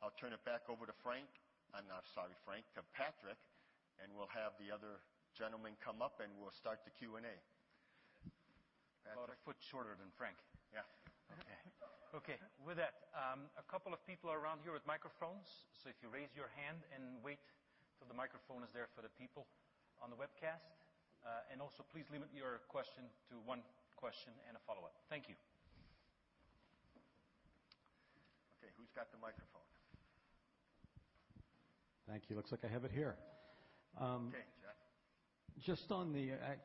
I'll turn it back over to Frank. I'm sorry, Frank, to Patrick, and we'll have the other gentleman come up, and we'll start the Q&A. Patrick? About a foot shorter than Frank. Yeah. Okay, with that, a couple of people around here with microphones. If you raise your hand and wait till the microphone is there for the people on the webcast, also please limit your question to one question and a follow-up. Thank you. Okay, who's got the microphone? Thank you. Looks like I have it here. Okay, Jeff.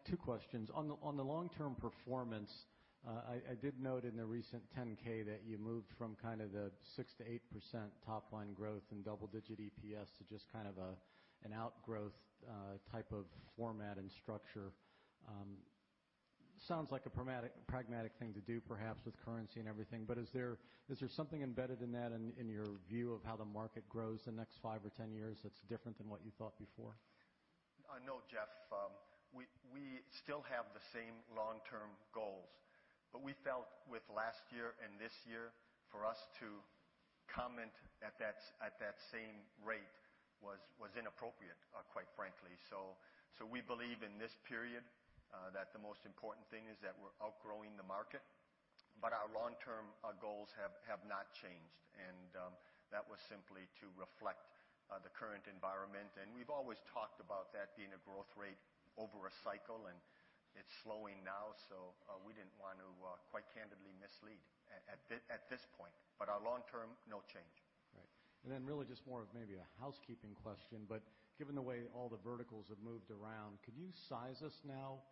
Two questions. On the long-term performance, I did note in the recent 10-K that you moved from kind of the 6%-8% top-line growth and double-digit EPS to just kind of an outgrowth type of format and structure. Sounds like a pragmatic thing to do perhaps with currency and everything, but is there something embedded in that in your view of how the market grows the next 5 or 10 years that's different than what you thought before? No, Jeff. We still have the same long-term goals, we felt with last year and this year for us to comment at that same rate was inappropriate, quite frankly. We believe in this period that the most important thing is that we're outgrowing the market, but our long-term goals have not changed, and that was simply to reflect the current environment. We've always talked about that being a growth rate over a cycle, it's slowing now, we didn't want to, quite candidly, mislead at this point. Our long term, no change. Right. Really just more of maybe a housekeeping question, given the way all the verticals have moved around, could you size us now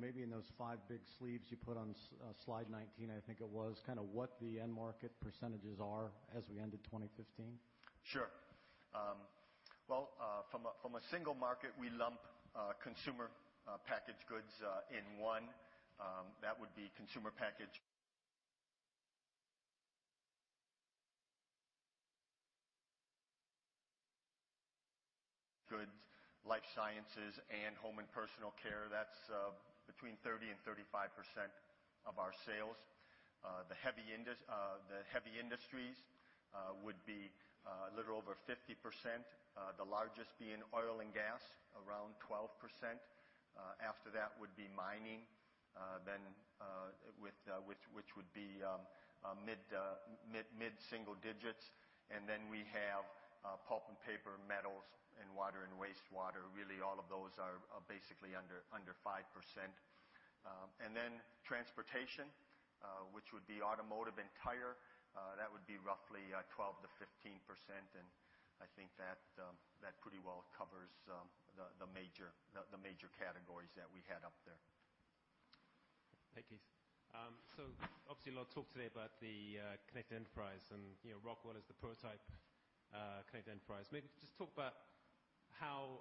maybe in those five big sleeves you put on slide 19, I think it was kind of what the end market percentages are as we ended 2015? Sure. Well, from a single market, we lump consumer packaged goods in one. That would be consumer packaged goods, life sciences, and home and personal care. That's between 30%-35% of our sales. The heavy industries would be a little over 50%, the largest being oil and gas, around 12%. Then we have mining, which would be mid-single digits. Then we have pulp and paper, metals, and water and wastewater. Really, all of those are basically under 5%. Then transportation, which would be automotive and tire, that would be roughly 12%-15%. I think that pretty well covers the major categories that we had up there. Thank you. Obviously, a lot of talk today about the Connected Enterprise and Rockwell as the prototype Connected Enterprise. Maybe just talk about how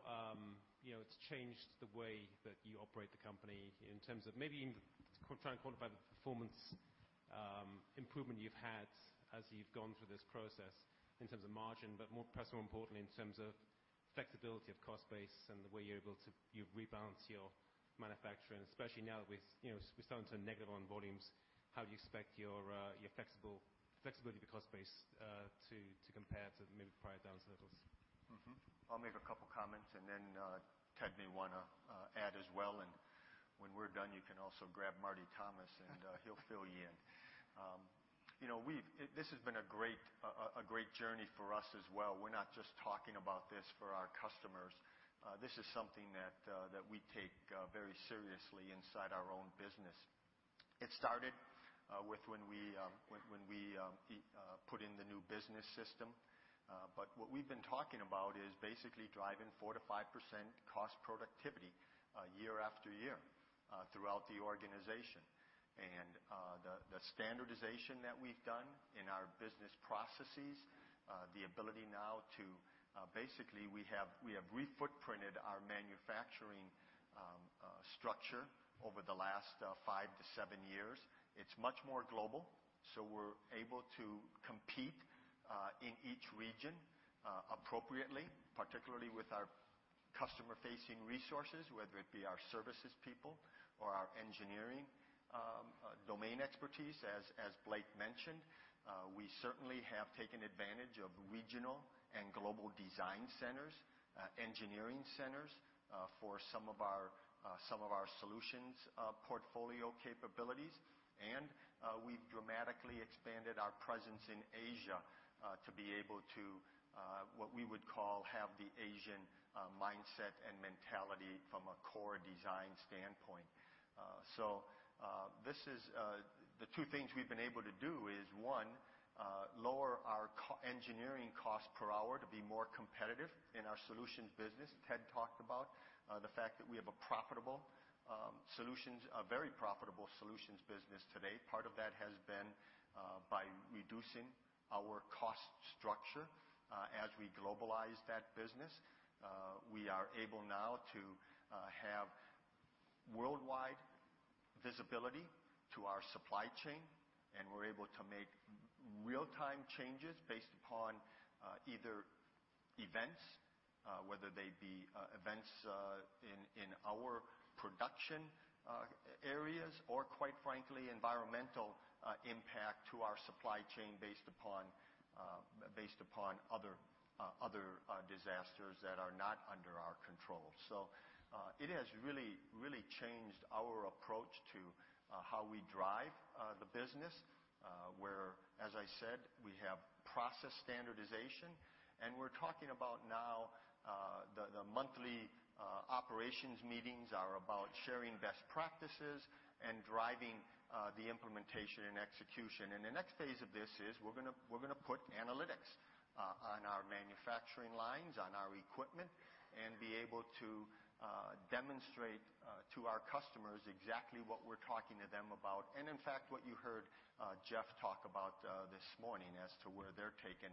it's changed the way that you operate the company in terms of maybe even trying to quantify the performance improvement you've had as you've gone through this process in terms of margin, but perhaps more importantly, in terms of flexibility of cost base and the way you're able to rebalance your manufacturing. Especially now that we're starting to negative on volumes, how do you expect your flexibility of your cost base to compare to maybe prior down cycles? I'll make a couple of comments, then Ted may want to add as well. When we're done, you can also grab Marty Thomas, and he'll fill you in. This has been a great journey for us as well. We're not just talking about this for our customers. This is something that we take very seriously inside our own business. It started when we put in the new business system. What we've been talking about is basically driving 4%-5% cost productivity year after year throughout the organization. The standardization that we've done in our business processes, the ability now to basically, we have re-footprinted our manufacturing structure over the last 5-7 years. It's much more global, so we're able to compete in each region appropriately, particularly with our customer-facing resources, whether it be our services people or our engineering domain expertise. As Blake mentioned, we certainly have taken advantage of regional and global design centers, engineering centers for some of our solutions portfolio capabilities. We've dramatically expanded our presence in Asia to be able to, what we would call, have the Asian mindset and mentality from a core design standpoint. The two things we've been able to do is, one, lower our engineering cost per hour to be more competitive in our solutions business. Ted talked about the fact that we have a very profitable solutions business today. Part of that has been by reducing our cost structure as we globalize that business. We are able now to have worldwide visibility to our supply chain, we're able to make real-time changes based upon either events, whether they be events in our production areas or quite frankly, environmental impact to our supply chain based upon other disasters that are not under our control. It has really changed our approach to how we drive the business, where, as I said, we have process standardization, we're talking about now the monthly operations meetings are about sharing best practices and driving the implementation and execution. The next phase of this is we're going to put analytics on our manufacturing lines, on our equipment, and be able to demonstrate to our customers exactly what we're talking to them about. In fact, what you heard Jeff talk about this morning as to where they're taking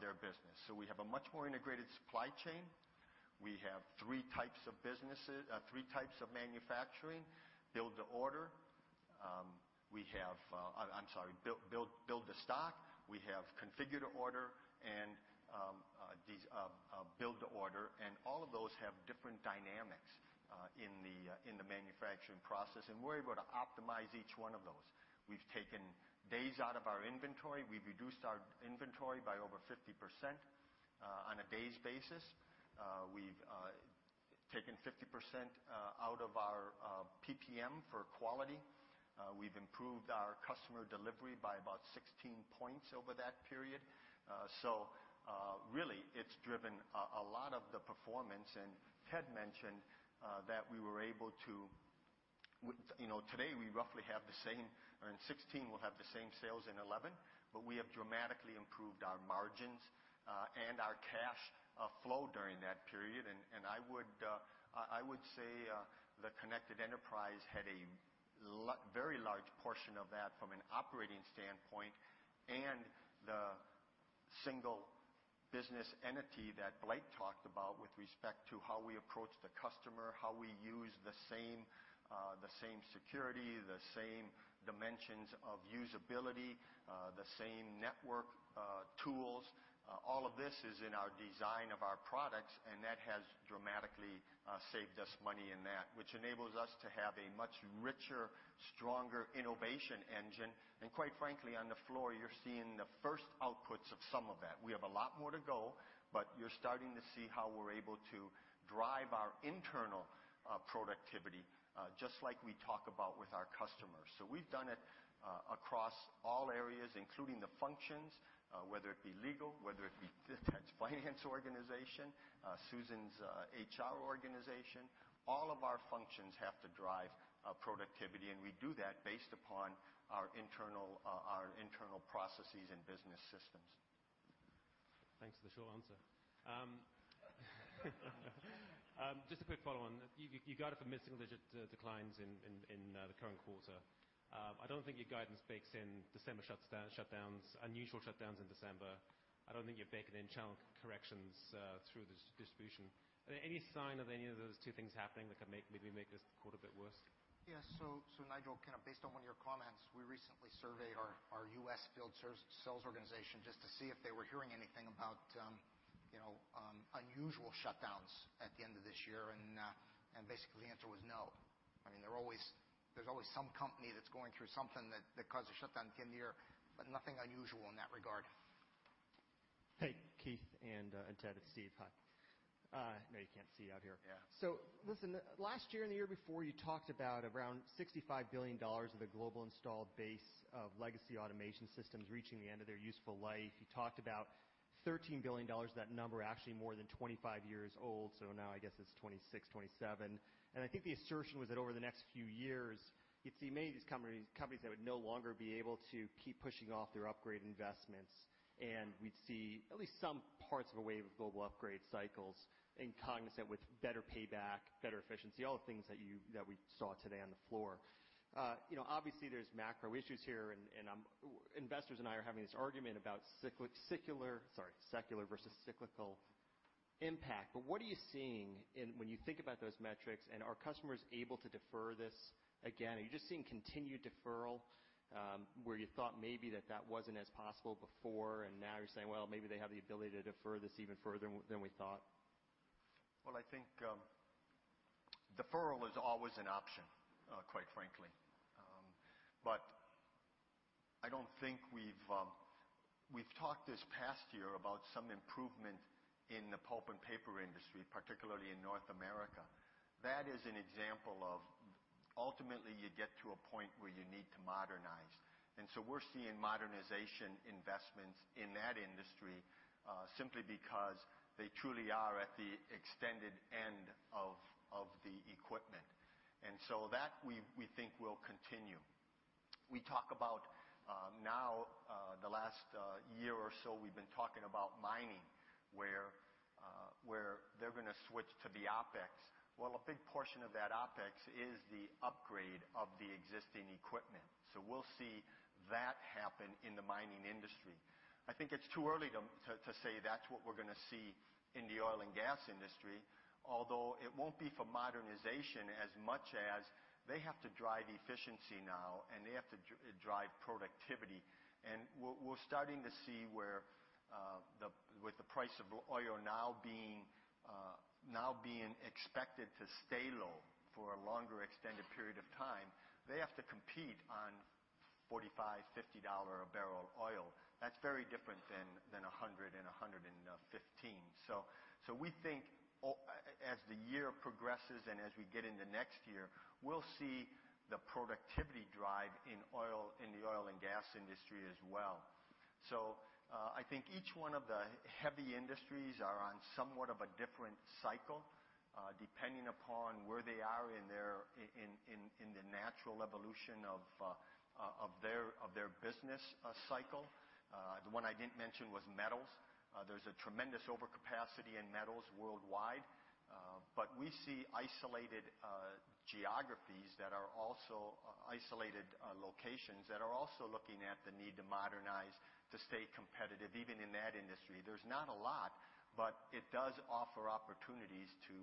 their business. We have a much more integrated supply chain. We have 3 types of manufacturing, build to order. We have, I'm sorry, build to stock. We have configure to order and build to order, all of those have different dynamics in the manufacturing process, and we're able to optimize each one of those. We've taken days out of our inventory. We've reduced our inventory by over 50% on a days basis. We've taken 50% out of our PPM for quality. We've improved our customer delivery by about 16 points over that period. Really, it's driven a lot of the performance. Ted mentioned that Today, we roughly have the same, earn 2016, we'll have the same sales in 2011, we have dramatically improved our margins and our cash flow during I would say the Connected Enterprise had a very large portion of that from an operating standpoint, and the single business entity that Blake talked about with respect to how we approach the customer, how we use the same security, the same dimensions of usability, the same network tools. All of this is in our design of our products, that has dramatically saved us money, which enables us to have a much richer, stronger innovation engine. Quite frankly, on the floor, you're seeing the first outputs of some of that. We have a lot more to go, you're starting to see how we're able to drive our internal productivity, just like we talk about with our customers. We've done it across all areas, including the functions, whether it be legal, whether it be Ted's finance organization, Susan's HR organization. All of our functions have to drive productivity, we do that based upon our internal processes and business systems. Thanks for the short answer. Just a quick follow-on. You guided for mid-single-digit declines in the current quarter. I don't think your guidance bakes in December shutdowns, unusual shutdowns in December. I don't think you're baking in channel corrections through the distribution. Are there any signs of any of those two things happening that could maybe make this quarter a bit worse? Yes. Nigel, kind of based on one of your comments, we recently surveyed our U.S. field sales organization just to see if they were hearing anything about unusual shutdowns at the end of this year, and basically, the answer was no. There's always some company that's going through something that causes a shutdown at the end of the year, but nothing unusual in that regard. Hey, Keith and Ted. It's Steve. Hi. I know you can't see out here. Yeah. Listen, last year and the year before, you talked about around $65 billion of the global installed base of legacy automation systems reaching the end of their useful life. You talked about $13 billion. That number actually more than 25 years old, so now I guess it's 26, 27. I think the assertion was that over the next few years, you'd see many of these companies that would no longer be able to keep pushing off their upgrade investments, and we'd see at least some parts of a wave of global upgrade cycles in cognizant with better payback, better efficiency, all the things that we saw today on the floor. Obviously, there's macro issues here, and investors and I are having this argument about secular versus cyclical impact. What are you seeing when you think about those metrics, and are customers able to defer this again? Are you just seeing continued deferral, where you thought maybe that that wasn't as possible before, and now you're saying, "Well, maybe they have the ability to defer this even further than we thought"? I think deferral is always an option, quite frankly. We've talked this past year about some improvement in the pulp and paper industry, particularly in North America. That is an example of ultimately you get to a point where you need to modernize. We're seeing modernization investments in that industry, simply because they truly are at the extended end of the equipment. That, we think will continue. The last year or so, we've been talking about mining, where they're going to switch to the OpEx. A big portion of that OpEx is the upgrade of the existing equipment. We'll see that happen in the mining industry. I think it's too early to say that's what we're going to see in the oil and gas industry, although it won't be for modernization as much as they have to drive efficiency now, and they have to drive productivity. We're starting to see where with the price of oil now being expected to stay low for a longer extended period of time, they have to compete on $45, $50 a barrel oil. That's very different than $100 and $115. We think as the year progresses and as we get into next year, we'll see the productivity drive in the oil and gas industry as well. I think each one of the heavy industries are on somewhat of a different cycle, depending upon where they are in the natural evolution of their business cycle. The one I didn't mention was metals. There's a tremendous overcapacity in metals worldwide. We see isolated geographies that are also isolated locations, that are also looking at the need to modernize to stay competitive, even in that industry. There's not a lot, but it does offer opportunities to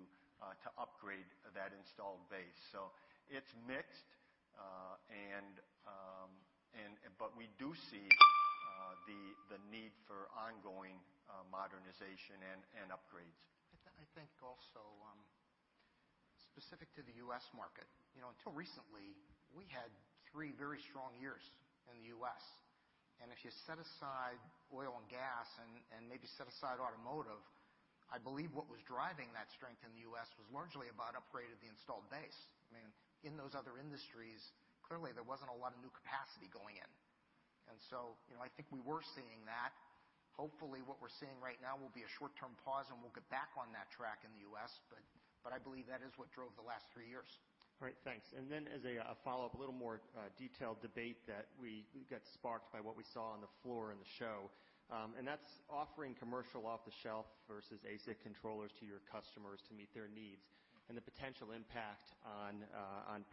upgrade that installed base. It's mixed, but we do see the need for ongoing modernization and upgrades. I think also, specific to the U.S. market, until recently, we had three very strong years in the U.S. If you set aside oil and gas and maybe set aside automotive, I believe what was driving that strength in the U.S. was largely about upgrade of the installed base. In those other industries, clearly, there wasn't a lot of new capacity going in. I think we were seeing that. Hopefully, what we're seeing right now will be a short-term pause, and we'll get back on that track in the U.S. I believe that is what drove the last three years. All right, thanks. As a follow-up, a little more detailed debate that we got sparked by what we saw on the floor in the show, and that's offering commercial off-the-shelf versus ASIC controllers to your customers to meet their needs and the potential impact on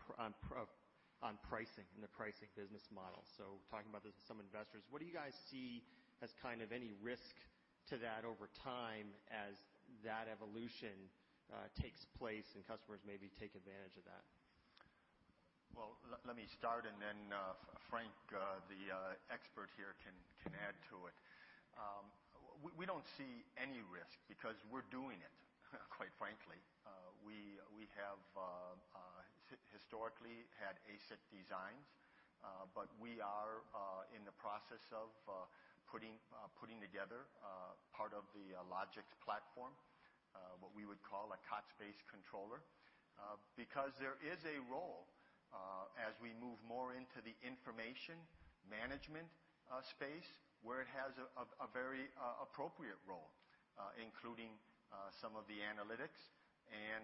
pricing and the pricing business model. Talking about this with some investors, what do you guys see as kind of any risk to that over time as that evolution takes place and customers maybe take advantage of that? Well, let me start and then Frank, the expert here, can add to it. We don't see any risk because we're doing it, quite frankly. We have historically had ASIC designs, we are in the process of putting together part of the Logix platform, what we would call a COTS-based controller. Because there is a role as we move more into the information management space, where it has a very appropriate role, including some of the analytics and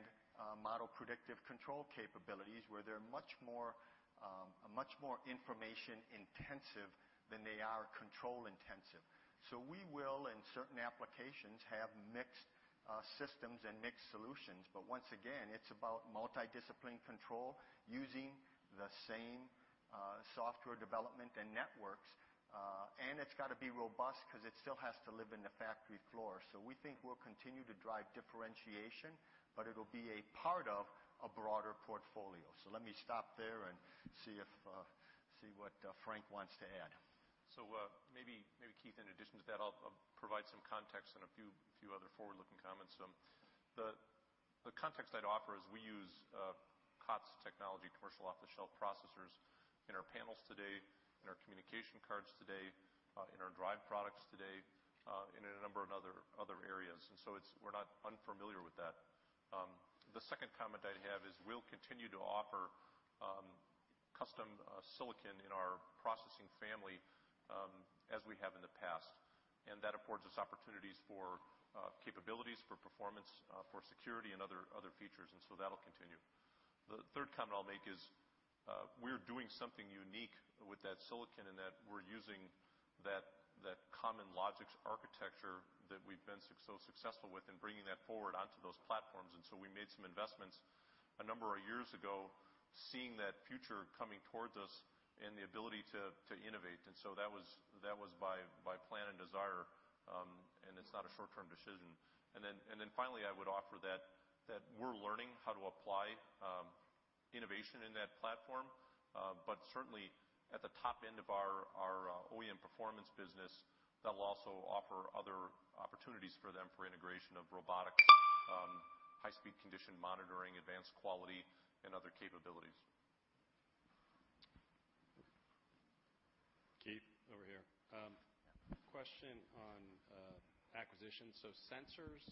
model predictive control capabilities, where they're much more information intensive than they are control intensive. We will, in certain applications, have mixed systems and mixed solutions. Once again, it's about multidiscipline control using the same software development and networks. It's got to be robust because it still has to live in the factory floor. We think we'll continue to drive differentiation, but it'll be a part of a broader portfolio. Let me stop there and see what Frank wants to add. Maybe, Keith, in addition to that, I'll provide some context and a few other forward-looking comments. The context I'd offer is we use COTS technology, commercial off-the-shelf processors, in our panels today, in our communication cards today, in our drive products today, and in a number of other areas. We're not unfamiliar with that. The second comment I have is we'll continue to offer custom silicon in our processing family as we have in the past, and that affords us opportunities for capabilities, for performance, for security, and other features. That'll continue. The third comment I'll make is we're doing something unique with that silicon in that we're using that common Logix architecture that we've been so successful with and bringing that forward onto those platforms. We made some investments a number of years ago, seeing that future coming towards us and the ability to innovate. That was by plan and desire, and it's not a short-term decision. Finally, I would offer that we're learning how to apply innovation in that platform. Certainly, at the top end of our OEM performance business, that'll also offer other opportunities for them for integration of robotics, high-speed condition monitoring, advanced quality, and other capabilities. Keith, over here. Question on acquisitions. Sensors,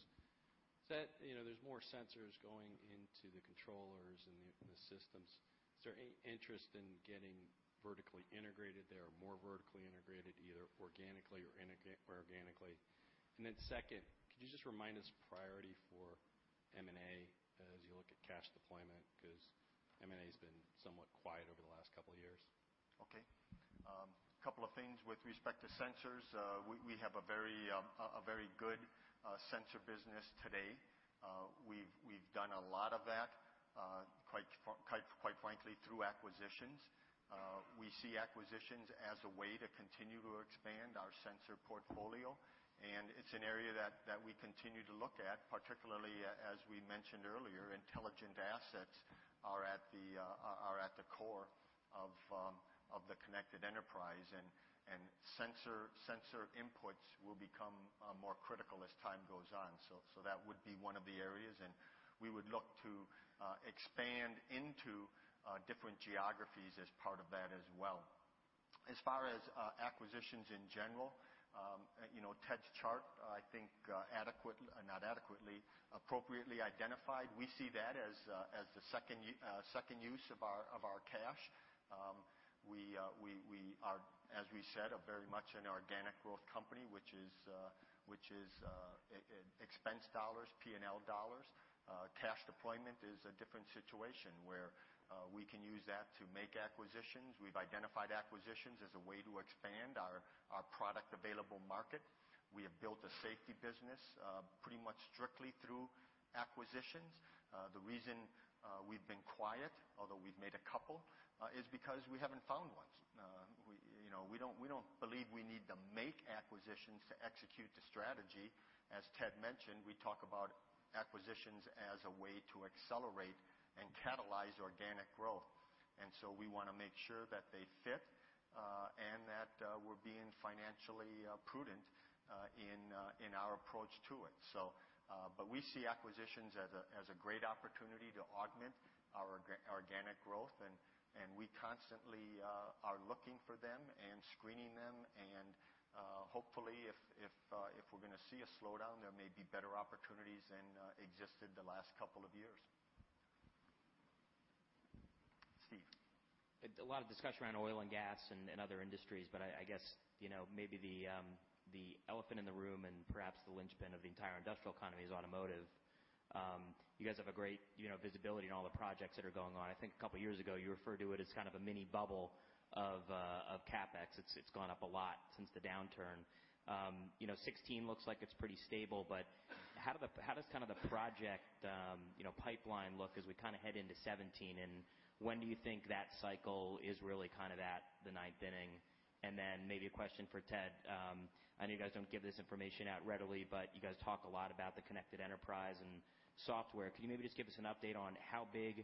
there's more sensors going into the controllers and the systems. Is there any interest in getting vertically integrated there or more vertically integrated, either organically or inorganically? Second, could you just remind us priority for M&A as you look at cash deployment? Because M&A has been somewhat quiet over the last couple of years. Okay. A couple of things with respect to sensors. We have a very good sensor business today. We've done a lot of that, quite frankly, through acquisitions. We see acquisitions as a way to continue to expand our sensor portfolio, and it's an area that we continue to look at, particularly as we mentioned earlier, intelligent assets are at the core of the Connected Enterprise. Sensor inputs will become more critical as time goes on. That would be one of the areas, and we would look to expand into different geographies as part of that as well. As far as acquisitions in general, Ted's chart, I think appropriately identified. We see that as the second use of our cash. We are, as we said, very much an organic growth company, which is expense dollars, P&L dollars. Cash deployment is a different situation where we can use that to make acquisitions. We've identified acquisitions as a way to expand our product available market. We have built a safety business pretty much strictly through acquisitions. The reason we've been quiet, although we've made a couple, is because we haven't found ones. We don't believe we need to make acquisitions to execute the strategy. As Ted mentioned, we talk about acquisitions as a way to accelerate and catalyze organic growth. We want to make sure that they fit and that we're being financially prudent in our approach to it. We see acquisitions as a great opportunity to augment our organic growth, and we constantly are looking for them and screening them. Hopefully, if we're going to see a slowdown, there may be better opportunities than existed the last couple of years. A lot of discussion around oil and gas and other industries, I guess maybe the elephant in the room and perhaps the linchpin of the entire industrial economy is automotive. You guys have a great visibility in all the projects that are going on. I think a couple years ago, you referred to it as kind of a mini bubble of CapEx. It's gone up a lot since the downturn. 2016 looks like it's pretty stable, but how does the project pipeline look as we head into 2017? When do you think that cycle is really at the ninth inning? Maybe a question for Ted. I know you guys don't give this information out readily, but you guys talk a lot about the Connected Enterprise and software. Could you maybe just give us an update on how big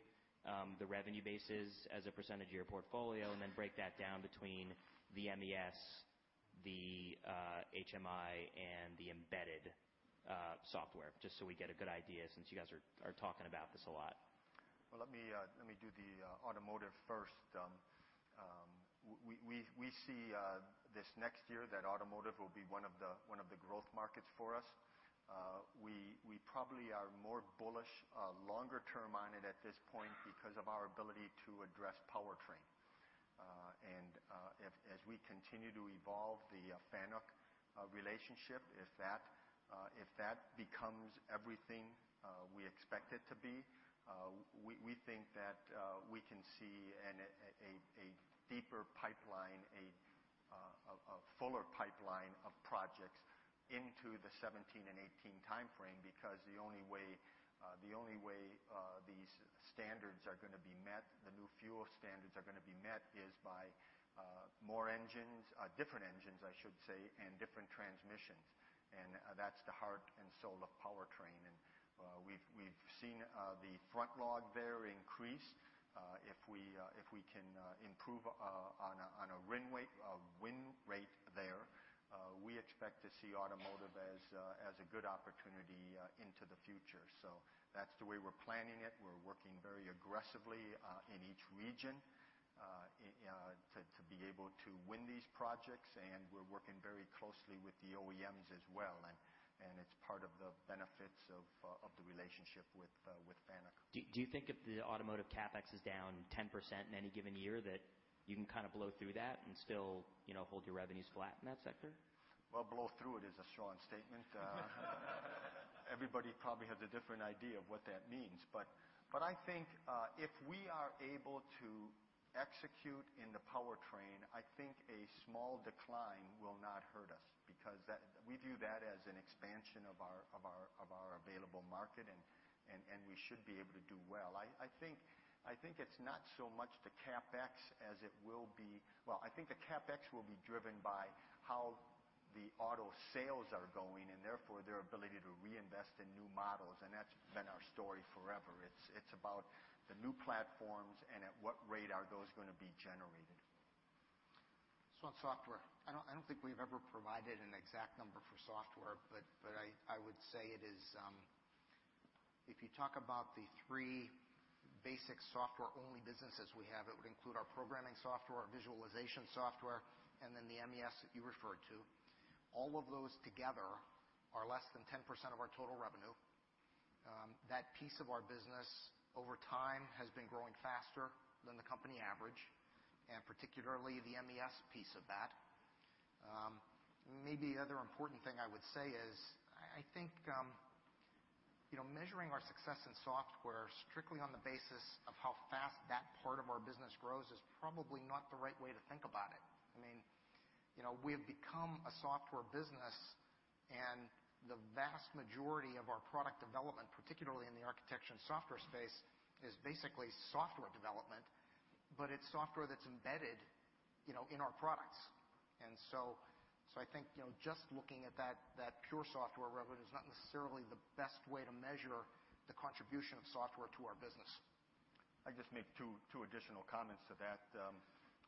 the revenue base is as a percentage of your portfolio, and then break that down between the MES, the HMI, and the embedded software, just so we get a good idea since you guys are talking about this a lot. Let me do the automotive first. We see this next year that automotive will be one of the growth markets for us. We probably are more bullish longer term on it at this point because of our ability to address powertrain. As we continue to evolve the FANUC relationship, if that becomes everything we expect it to be, we think that we can see a deeper pipeline, a fuller pipeline of projects into the 2017 and 2018 timeframe, because the only way these standards are going to be met, the new fuel standards are going to be met is by more engines, different engines, I should say, and different transmissions. That's the heart and soul of powertrain. We've seen the front log there increase. If we can improve on a win rate there, we expect to see automotive as a good opportunity into the future. That's the way we're planning it. We're working very aggressively in each region to be able to win these projects. We're working very closely with the OEMs as well. It's part of the benefits of the relationship with FANUC. Do you think if the automotive CapEx is down 10% in any given year, that you can blow through that and still hold your revenues flat in that sector? Blow through it is a strong statement. Everybody probably has a different idea of what that means. I think if we are able to execute in the powertrain, I think a small decline will not hurt us because we view that as an expansion of our available market. We should be able to do well. I think it's not so much the CapEx as it will be. I think the CapEx will be driven by how the auto sales are going, therefore, their ability to reinvest in new models. That's been our story forever. It's about the new platforms and at what rate are those going to be generated. On software, I don't think we've ever provided an exact number for software, I would say it is, if you talk about the three basic software-only businesses we have, it would include our programming software, our visualization software, and then the MES that you referred to. All of those together are less than 10% of our total revenue. That piece of our business over time has been growing faster than the company average, particularly the MES piece of that. The other important thing I would say is, I think measuring our success in software strictly on the basis of how fast that part of our business grows is probably not the right way to think about it. We've become a software business, the vast majority of our product development, particularly in the architecture and software space, is basically software development, but it's software that's embedded in our products. I think just looking at that pure software revenue is not necessarily the best way to measure the contribution of software to our business. I'd just make two additional comments to that.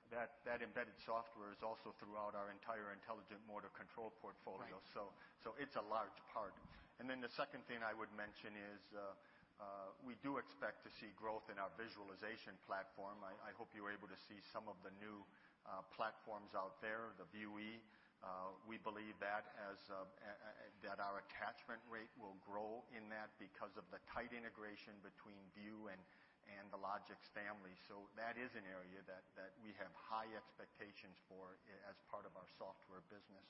That embedded software is also throughout our entire Intelligent Motor Control portfolio. Right. It's a large part. The second thing I would mention is we do expect to see growth in our visualization platform. I hope you were able to see some of the new platforms out there, the ProcessVue. We believe that our attachment rate will grow in that because of the tight integration between ProcessVue and the Logix family. That is an area that we have high expectations for as part of our software business.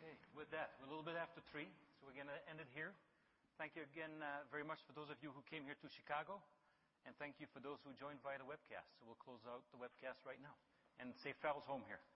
Okay, with that, we're a little bit after 3:00, so we're going to end it here. Thank you again very much for those of you who came here to Chicago, and thank you for those who joined via the webcast. We'll close out the webcast right now and say farewells home here. Good job.